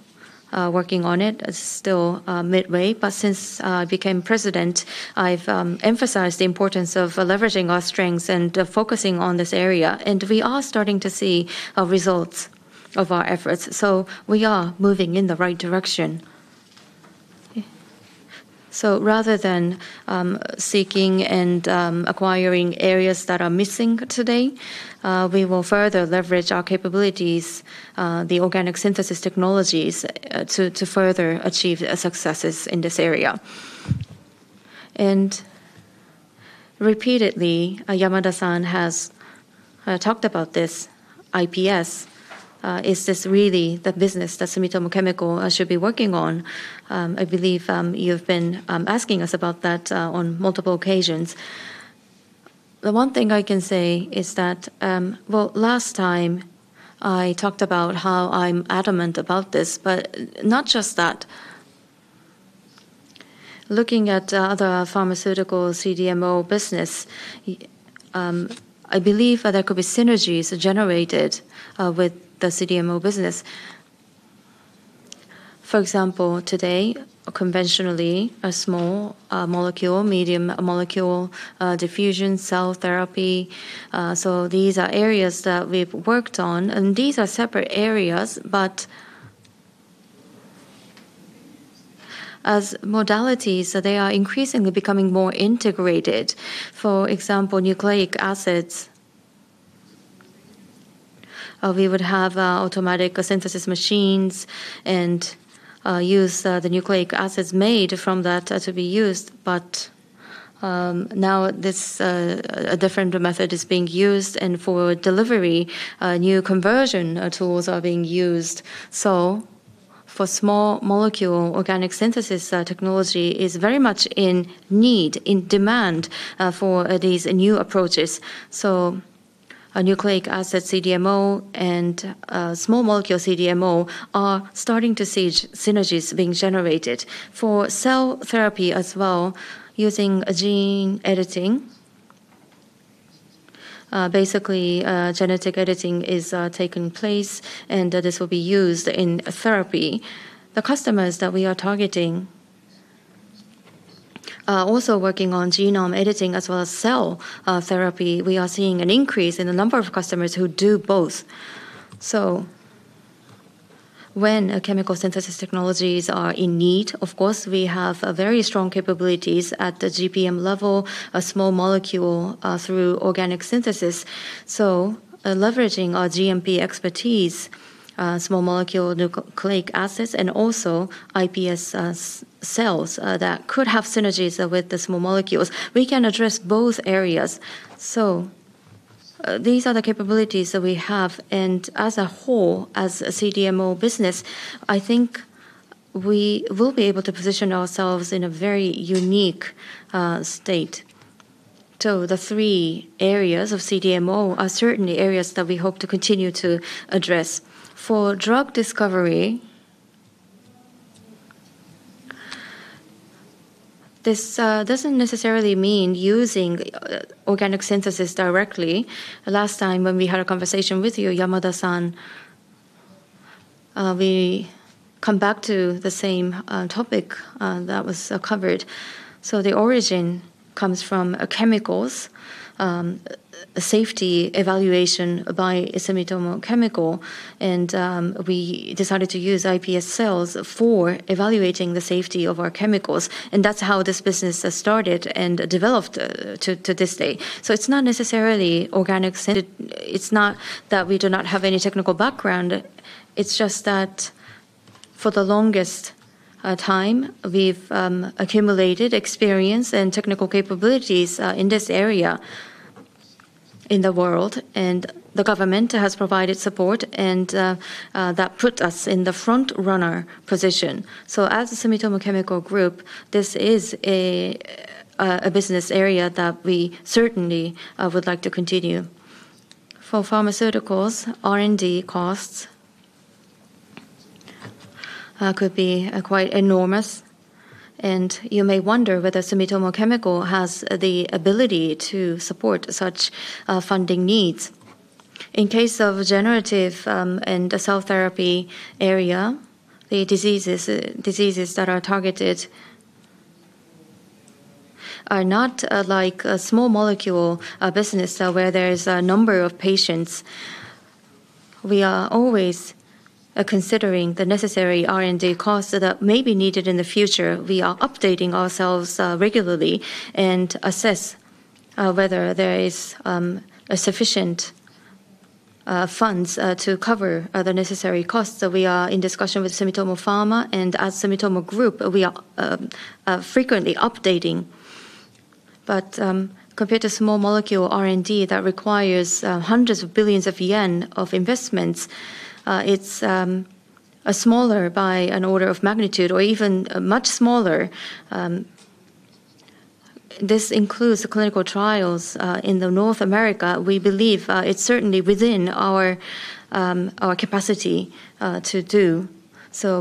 B: working on it. It's still midway. Since I became president, I've emphasized the importance of leveraging our strengths and focusing on this area, and we are starting to see results of our efforts. We are moving in the right direction. Rather than seeking and acquiring areas that are missing today, we will further leverage our capabilities, the organic synthesis technologies, to further achieve successes in this area. Repeatedly, Yamada San has talked about this iPS. Is this really the business that Sumitomo Chemical should be working on? I believe you've been asking us about that on multiple occasions. The one thing I can say is that, well, last time, I talked about how I'm adamant about this, but not just that. Looking at other pharmaceutical CDMO business, I believe that there could be synergies generated with the CDMO business. For example, today, conventionally, a small molecule, medium molecule, diffusion, cell therapy, so these are areas that we've worked on, and these are separate areas. As modalities, they are increasingly becoming more integrated. For example, nucleic acids. We would have automatic synthesis machines and use the nucleic acids made from that to be used. Now this, a different method is being used, and for delivery, new conversion tools are being used. For small molecule, organic synthesis, technology is very much in need, in demand, for these new approaches. A nucleic acid CDMO and small molecule CDMO are starting to see synergies being generated. For cell therapy as well, using gene editing, basically, genetic editing is taking place, and this will be used in therapy. The customers that we are targeting. Also working on genome editing as well as cell therapy. We are seeing an increase in the number of customers who do both. When chemical synthesis technologies are in need, of course, we have very strong capabilities at the GMP level, a small molecule, through organic synthesis. Leveraging our GMP expertise, small molecule nucleic acids, and also iPS cells that could have synergies with the small molecules. We can address both areas. These are the capabilities that we have. As a whole, as a CDMO business, I think we will be able to position ourselves in a very unique state. The three areas of CDMO are certainly areas that we hope to continue to address. For drug discovery, this doesn't necessarily mean using organic synthesis directly. Last time when we had a conversation with you, Yamada, we come back to the same topic that was covered. The origin comes from chemicals, safety evaluation by Sumitomo Chemical, and we decided to use iPS cells for evaluating the safety of our chemicals, and that's how this business has started and developed to this day. It's not necessarily organic. It's not that we do not have any technical background. It's just that for the longest time, we've accumulated experience and technical capabilities in this area in the world, and the government has provided support, and that put us in the front-runner position. As Sumitomo Chemical Group, this is a business area that we certainly would like to continue. For pharmaceuticals, R&D costs could be quite enormous, and you may wonder whether Sumitomo Chemical has the ability to support such funding needs. In case of regenerative and the cell therapy area, the diseases that are targeted are not like a small molecule business where there's a number of patients. We are always considering the necessary R&D costs that may be needed in the future. We are updating ourselves regularly and assess whether there is sufficient funds to cover the necessary costs that we are in discussion with Sumitomo Pharma. As Sumitomo Group, we are frequently updating. Compared to small molecule R&D that requires hundreds of billions of yen of investments, it's smaller by an order of magnitude or even much smaller. This includes the clinical trials in the North America. We believe it's certainly within our capacity to do.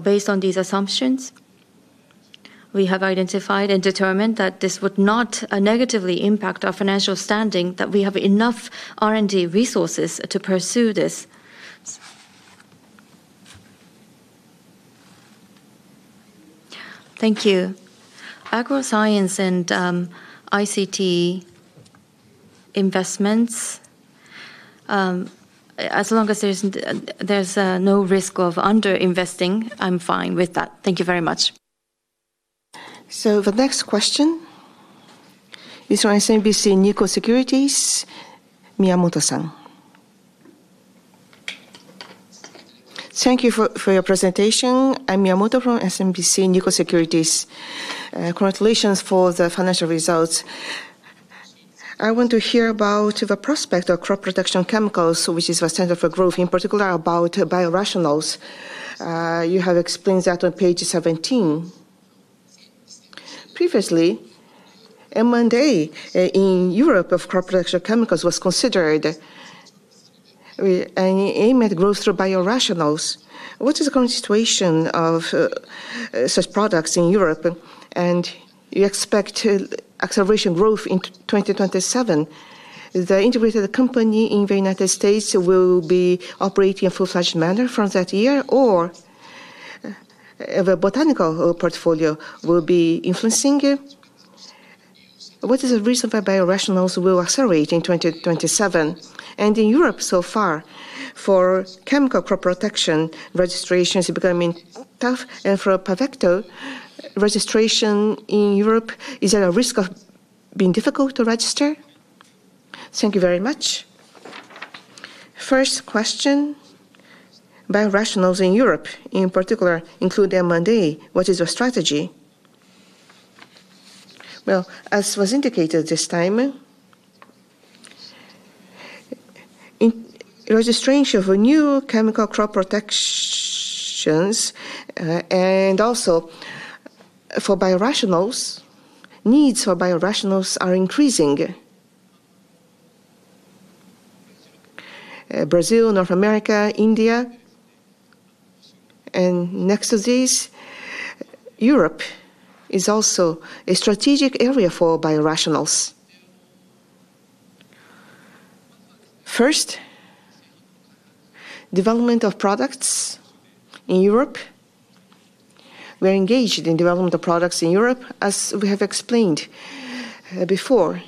B: Based on these assumptions, we have identified and determined that this would not negatively impact our financial standing, that we have enough R&D resources to pursue this.
D: Thank you. Agro science and ICT investments, as long as there's no risk of under-investing, I'm fine with that. Thank you very much.
A: The next question is from SMBC Nikko Securities, Miyamoto-san.
E: Thank you for your presentation. I'm Miyamoto from SMBC Nikko Securities. Congratulations for the financial results. I want to hear about the prospect of crop protection chemicals, which is the center for growth, in particular about biorationals. You have explained that on page 17. Previously, M&A in Europe of crop protection chemicals was considered an aim at growth through biorationals. What is the current situation of such products in Europe? You expect acceleration growth in 2027. The integrated company in the United States will be operating in full-fledged manner from that year, or the botanical portfolio will be influencing it. What is the reason that biorationals will accelerate in 2027? In Europe so far, for chemical crop protection, registration is becoming tough, and for Pavecto, registration in Europe, is there a risk of being difficult to register? Thank you very much.
B: First question, biorationals in Europe, in particular, include M&A. What is your strategy? Well, as was indicated this time, in registration for new chemical crop protections, and also for biorationals, needs for biorationals are increasing. Brazil, North America, India, and next to this, Europe is also a strategic area for biorationals First, development of products in Europe. We're engaged in development of products in Europe, as we have explained before.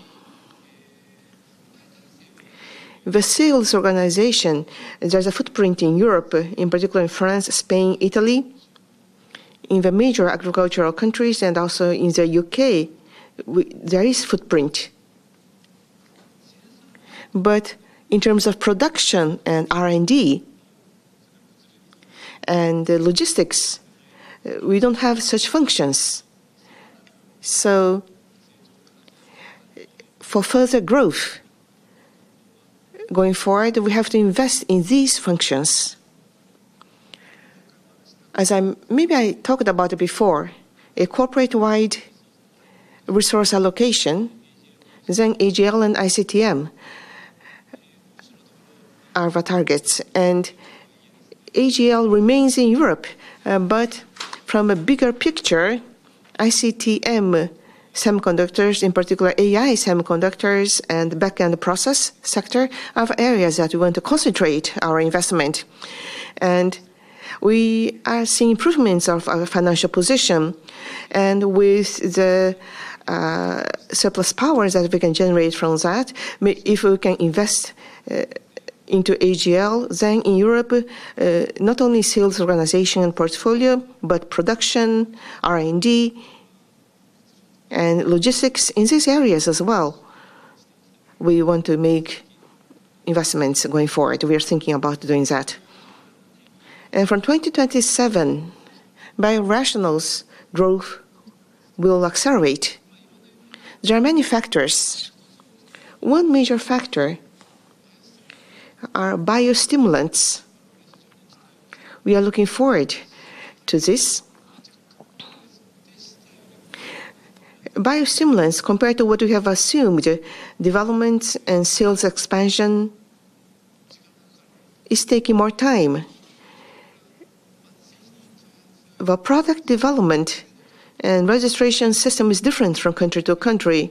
B: The sales organization, there's a footprint in Europe, in particular in France, Spain, Italy. In the major agricultural countries and also in the U.K., there is footprint. In terms of production and R&D and logistics, we don't have such functions. For further growth going forward, we have to invest in these functions. Maybe I talked about it before, a corporate-wide resource allocation, AGL and ICTM are the targets. AGL remains in Europe, but from a bigger picture, ICTM semiconductors, in particular AI semiconductors and backend process sector, are areas that we want to concentrate our investment. We are seeing improvements of our financial position. With the surplus powers that we can generate from that, if we can invest into AGL, then in Europe, not only sales organization and portfolio, but production, R&D, and logistics in these areas as well. We want to make investments going forward. We are thinking about doing that. From 2027, biorationals growth will accelerate. There are many factors. One major factor are biostimulants. We are looking forward to this. Biostimulants, compared to what we have assumed, development and sales expansion is taking more time. The product development and registration system is different from country to country.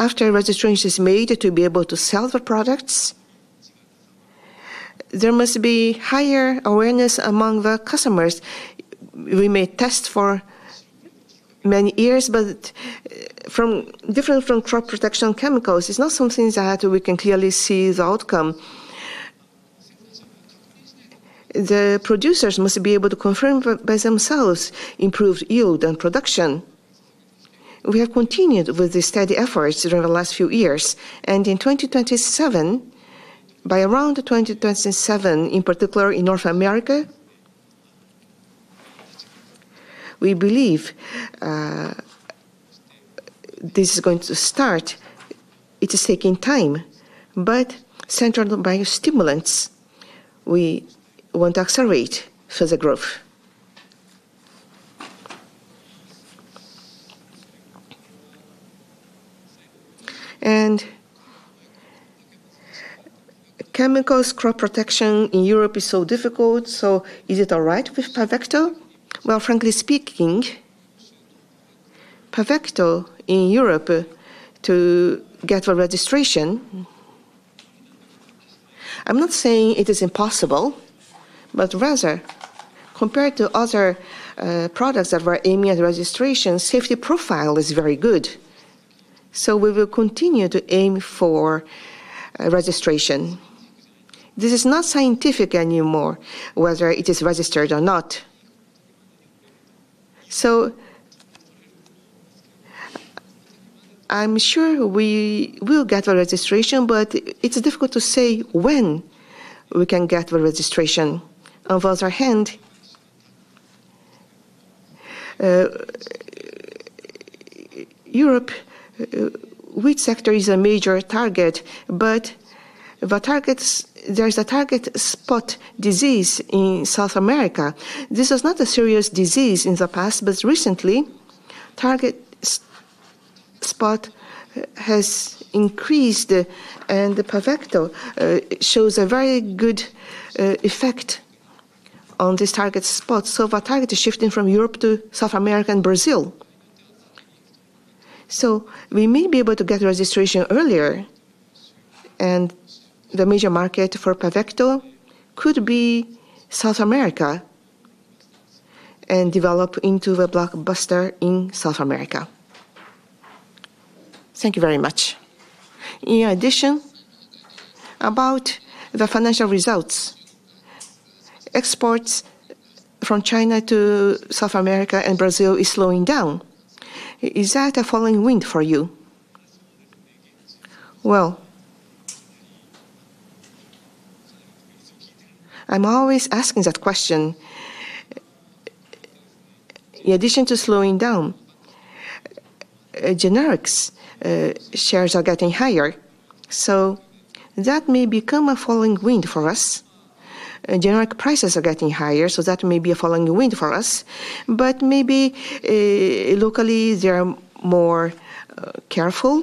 B: After registration is made to be able to sell the products, there must be higher awareness among the customers. We may test for many years, but different from crop protection chemicals, it is not something that we can clearly see the outcome. The producers must be able to confirm by themselves improved yield and production. We have continued with the steady efforts during the last few years. In 2027, by around 2027, in particular in North America, we believe this is going to start. It is taking time. Central to biostimulants, we want to accelerate further growth.
E: Chemicals crop protection in Europe is so difficult, so is it all right with Pavecto?
B: Well, frankly speaking, Pavecto in Europe to get a registration, I'm not saying it is impossible, but rather, compared to other products that were aiming at registration, safety profile is very good. We will continue to aim for registration. This is not scientific anymore, whether it is registered or not. I'm sure we will get a registration, but it's difficult to say when we can get the registration. On the other hand, Europe, wheat sector is a major target, but there is a target spot disease in South America. This was not a serious disease in the past, but recently, target spot has increased, and the Pavecto shows a very good effect on this target spot. The target is shifting from Europe to South America and Brazil. We may be able to get registration earlier, and the major market for Pavecto could be South America and develop into a blockbuster in South America.
E: Thank you very much. In addition, about the financial results, exports from China to South America and Brazil is slowing down. Is that a headwind for you?
B: Well, I'm always asking that question. In addition to slowing down, generics shares are getting higher, that may become a headwind for us. Generic prices are getting higher. That may be a tailwind for us. Maybe, locally, they are more careful.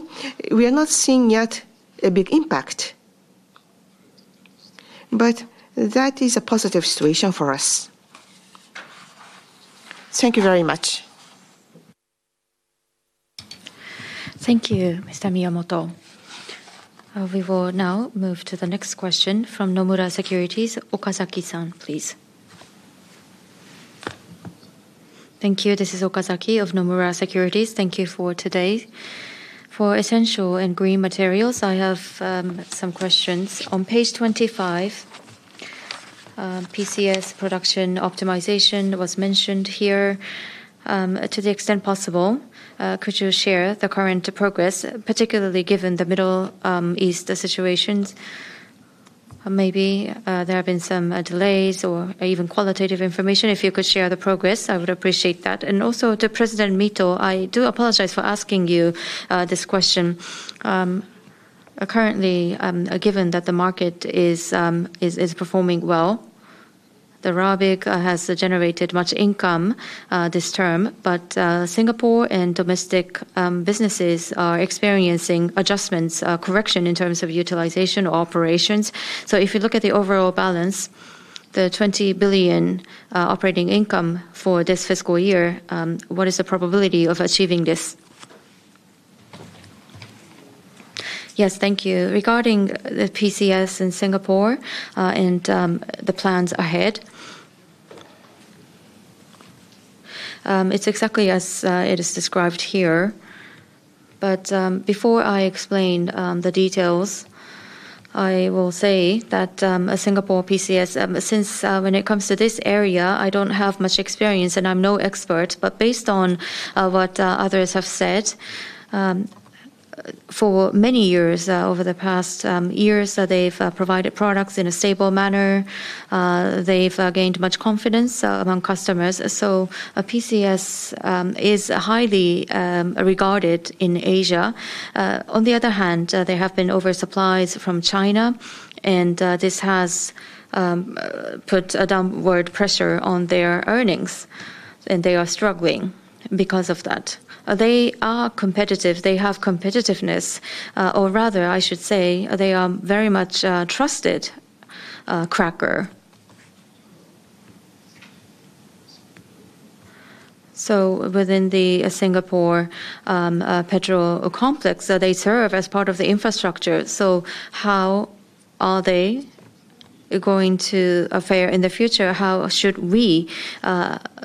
B: We are not seeing yet a big impact. That is a positive situation for us.
E: Thank you very much.
A: Thank you, Mr. Miyamoto. We will now move to the next question from Nomura Securities, Okazaki-san, please.
F: Thank you. This is Okazaki of Nomura Securities. Thank you for today. For Essential & Green Materials, I have some questions. On page 25, PCS production optimization was mentioned here. To the extent possible, could you share the current progress, particularly given the Middle East situations? Maybe there have been some delays or even qualitative information. If you could share the progress, I would appreciate that. To President Mito, I do apologize for asking you this question. Currently, given that the market is performing well, Rabigh has generated much income this term, Singapore and domestic businesses are experiencing adjustments, correction in terms of utilization operations. If you look at the overall balance, the 20 billion operating income for this fiscal year, what is the probability of achieving this?
B: Yes, thank you. Regarding the PCS in Singapore, and the plans ahead, it's exactly as it is described here. Before I explain the details, I will say that Singapore PCS, since when it comes to this area, I don't have much experience, and I'm no expert. Based on what others have said, for many years, over the past years, they've provided products in a stable manner. They've gained much confidence among customers. PCS is highly regarded in Asia. On the other hand, there have been oversupplies from China, this has put a downward pressure on their earnings, they are struggling because of that. They are competitive. They have competitiveness, or rather, I should say, they are very much a trusted cracker. Within the Singapore Petrochemical Complex, they serve as part of the infrastructure. How are they going to fare in the future? How should we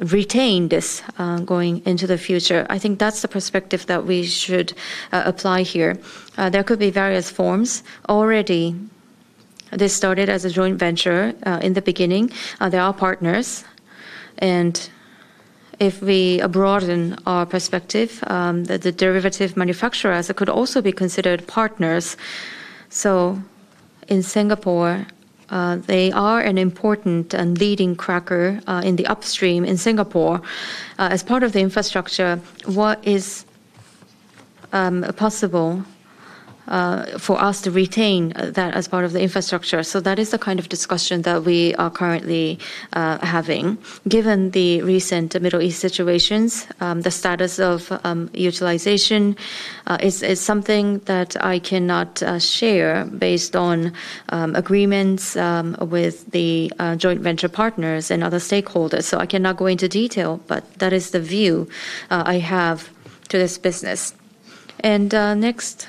B: retain this going into the future? I think that's the perspective that we should apply here. There could be various forms. Already, this started as a joint venture in the beginning. There are partners, if we broaden our perspective, the derivative manufacturers could also be considered partners. In Singapore, they are an important and leading cracker in the upstream in Singapore. As part of the infrastructure, what is possible for us to retain that as part of the infrastructure? That is the kind of discussion that we are currently having. Given the recent Middle East situations, the status of utilization is something that I cannot share based on agreements with the joint venture partners and other stakeholders. I cannot go into detail, but that is the view I have to this business. Next,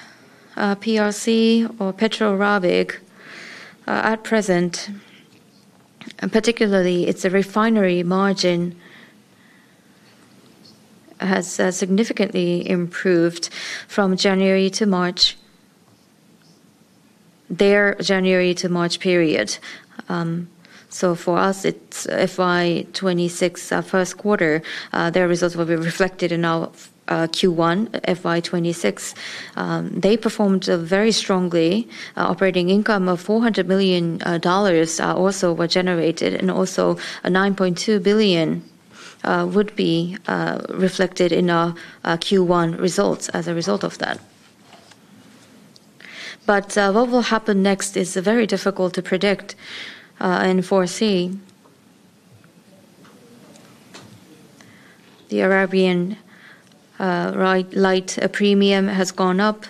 B: PRC or Petro Rabigh, at present, particularly its refinery margin, has significantly improved from January to March, their January to March period. For us, it's FY 2026 Q1. Their results will be reflected in our Q1 FY 2026. They performed very strongly. Operating income of $400 million also were generated, and also 9.2 billion would be reflected in our Q1 results as a result of that. What will happen next is very difficult to predict and foresee. The Arabian Light premium has gone up,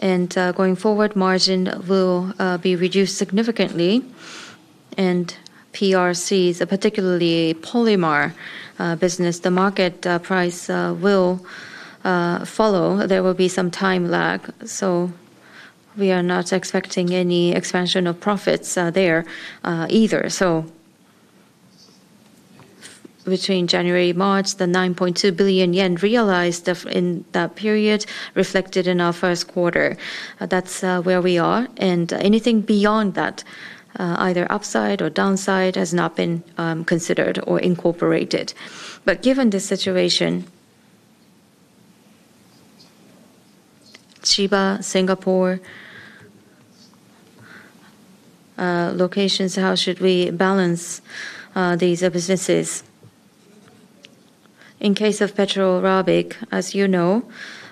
B: going forward, margin will be reduced significantly. PRCs, particularly polymer business, the market price will follow. There will be some time lag, we are not expecting any expansion of profits there either. Between January to March, the 9.2 billion yen realized in that period reflected in our Q1. That's where we are, and anything beyond that, either upside or downside, has not been considered or incorporated. Given the situation, Chiba, Singapore locations, how should we balance these businesses? In case of Petro Rabigh, as you know,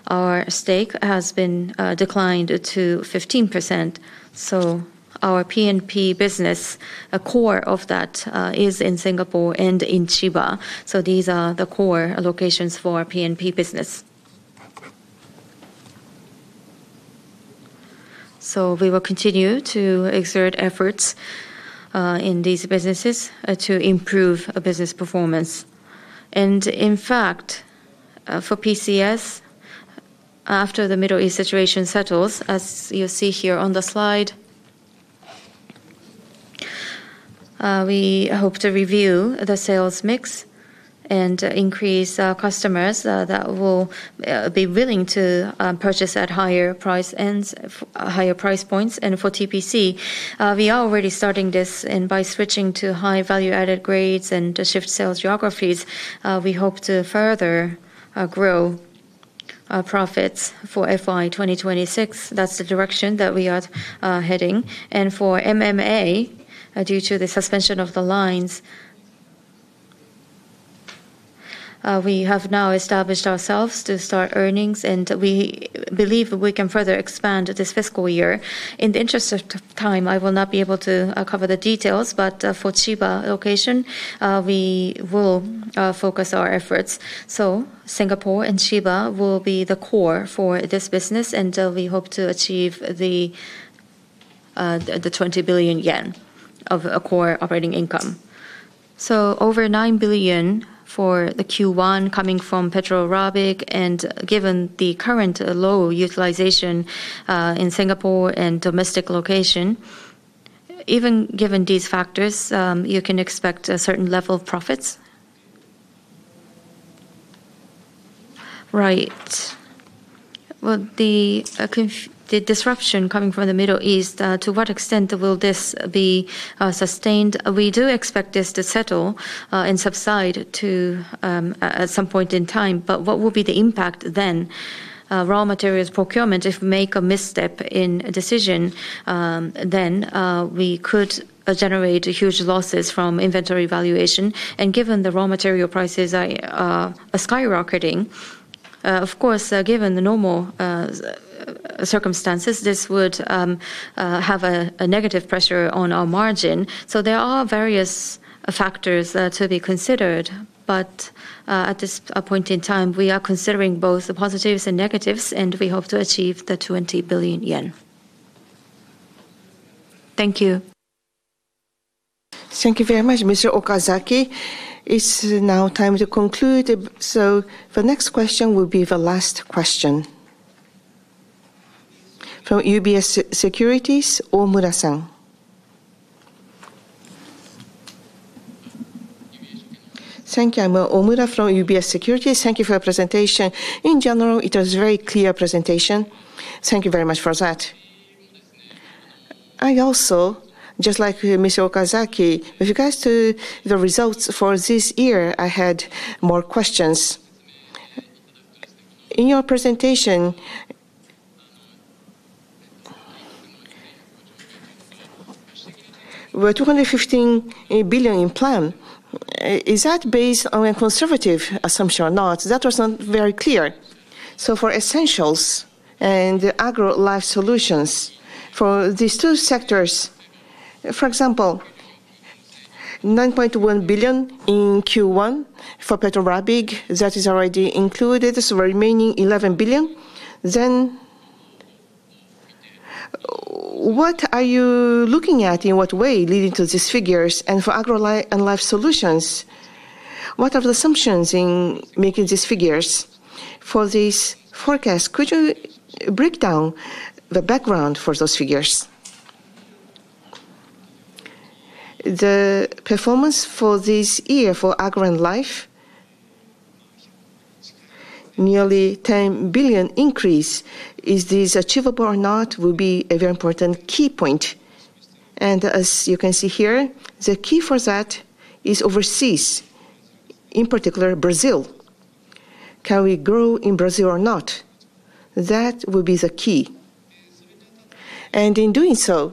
B: our stake has been declined to 15%, so our P&P business, a core of that, is in Singapore and in Chiba. These are the core locations for P&P business. We will continue to exert efforts in these businesses to improve business performance. In fact, for PCS, after the Middle East situation settles, as you see here on the slide, we hope to review the sales mix and increase our customers that will be willing to purchase at higher price ends, higher price points. For TPC, we are already starting this, and by switching to high value-added grades and to shift sales geographies, we hope to further grow our profits for FY 2026. That's the direction that we are heading. For MMA, due to the suspension of the lines, we have now established ourselves to start earnings, and we believe we can further expand this fiscal year. In the interest of time, I will not be able to cover the details, but for Chiba location, we will focus our efforts. Singapore and Chiba will be the core for this business, and we hope to achieve the 20 billion yen of core operating income. Over 9 billion for the Q1 coming from Petro Rabigh, given the current low utilization in Singapore and domestic location, even given these factors, you can expect a certain level of profits.
F: Right. The disruption coming from the Middle East, to what extent will this be sustained?
B: We do expect this to settle and subside at some point in time, but what will be the impact then? Raw materials procurement, if we make a misstep in a decision, then we could generate huge losses from inventory valuation. Given the raw material prices are skyrocketing, of course, given the normal circumstances, this would have a negative pressure on our margin. There are various factors to be considered. At this point in time, we are considering both the positives and negatives, and we hope to achieve the 20 billion yen.
F: Thank you.
A: Thank you very much, Mr. Okazaki. It's now time to conclude. The next question will be the last question. From UBS Securities, Omura.
G: Thank you. I'm Omura from UBS Securities. Thank you for your presentation. In general, it was very clear presentation.
B: Thank you very much for that.
G: I also, just like Mr. Okazaki, with regards to the results for this year, I had more questions. In your presentation, the 215 billion plan, is that based on a conservative assumption or not? That was not very clear. For Essential & Green Materials and Agro & Life Solutions, for these two sectors, for example, 9.1 billion in Q1 for Petro Rabigh, that is already included, so remaining 11 billion. What are you looking at, in what way, leading to these figures? For Agro & Life Solutions, what are the assumptions in making these figures for this forecast? Could you break down the background for those figures? The performance for this year for Agro & Life Solutions, nearly 10 billion increase. Is this achievable or not will be a very important key point. As you can see here, the key for that is overseas, in particular Brazil. Can we grow in Brazil or not?
B: That will be the key. In doing so,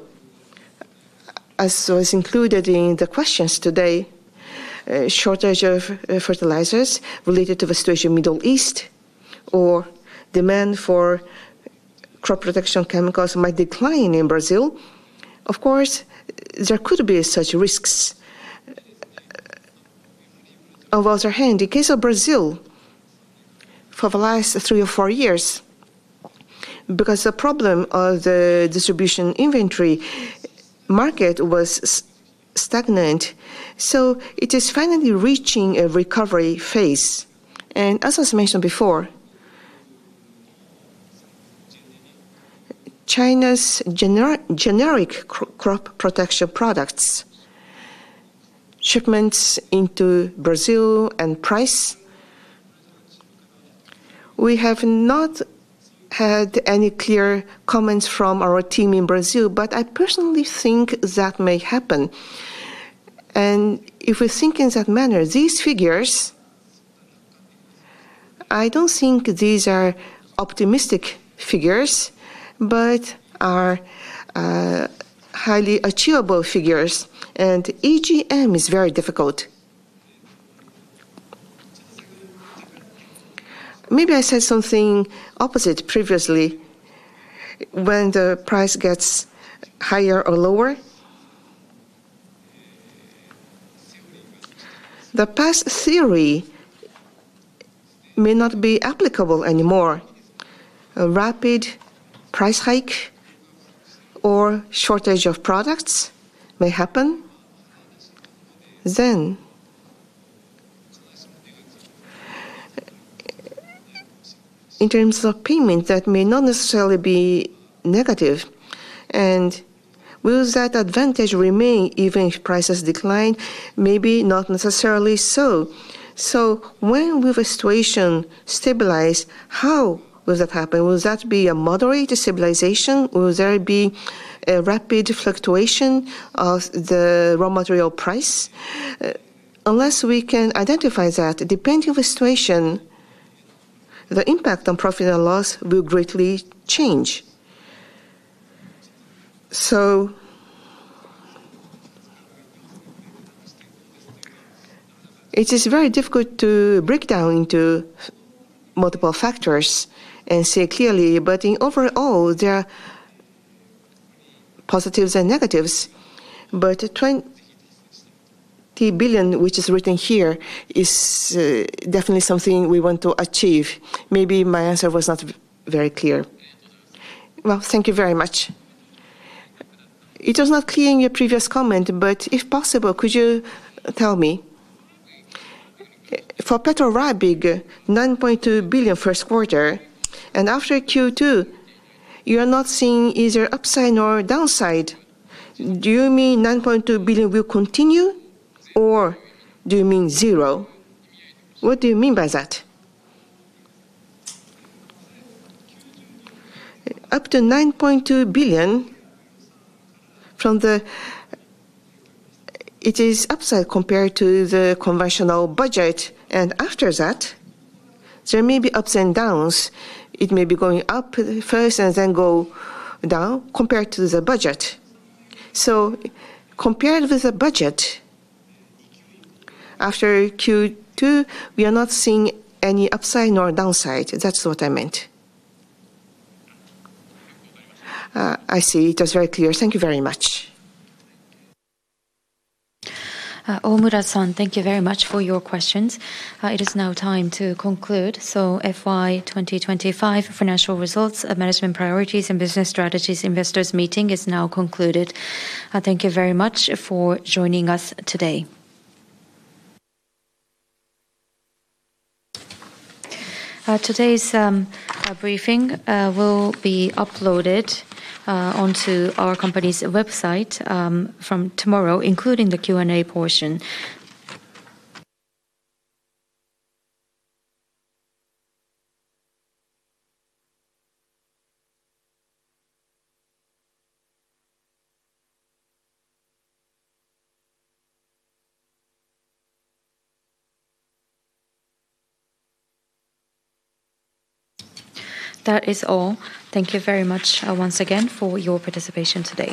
B: as was included in the questions today, shortage of fertilizers related to the situation Middle East or demand for crop protection chemicals might decline in Brazil. Of course, there could be such risks. On other hand, in case of Brazil, for the last three or four years, because the problem of the distribution inventory market was stagnant, it is finally reaching a recovery phase. As was mentioned before, China's crop protection products, shipments into Brazil and price, we have not had any clear comments from our team in Brazil, but I personally think that may happen. If we think in that manner, these figures, I don't think these are optimistic figures, but are highly achievable figures, and EGM is very difficult. Maybe I said something opposite previously. When the price gets higher or lower. The past theory may not be applicable anymore. A rapid price hike or shortage of products may happen. In terms of payment, that may not necessarily be negative. Will that advantage remain even if prices decline? Maybe not necessarily so. When will the situation stabilize? How will that happen? Will that be a moderate stabilization? Will there be a rapid fluctuation of the raw material price? Unless we can identify that, depending on the situation, the impact on profit and loss will greatly change. It is very difficult to break down into multiple factors and say clearly, but in overall, there are positives and negatives. Twenty billion, which is written here, is definitely something we want to achieve. Maybe my answer was not very clear.
G: Well, thank you very much. It was not clear in your previous comment, but if possible, could you tell me, for Petro Rabigh, 9.2 billion first quarter, and after Q2, you are not seeing either upside nor downside. Do you mean 9.2 billion will continue or do you mean zero? What do you mean by that?
B: Up to 9.2 billion from the It is upside compared to the conventional budget. After that, there may be ups and downs. It may be going up first and then go down compared to the budget. Compared with the budget, after Q2, we are not seeing any upside nor downside. That's what I meant. I see. It was very clear. Thank you very much.
A: Omura-san, thank you very much for your questions. It is now time to conclude. FY 2025 financial results, management priorities, and business strategies investors meeting is now concluded. Thank you very much for joining us today. Today's briefing will be uploaded onto our company's website from tomorrow, including the Q&A portion. That is all. Thank you very much once again for your participation today.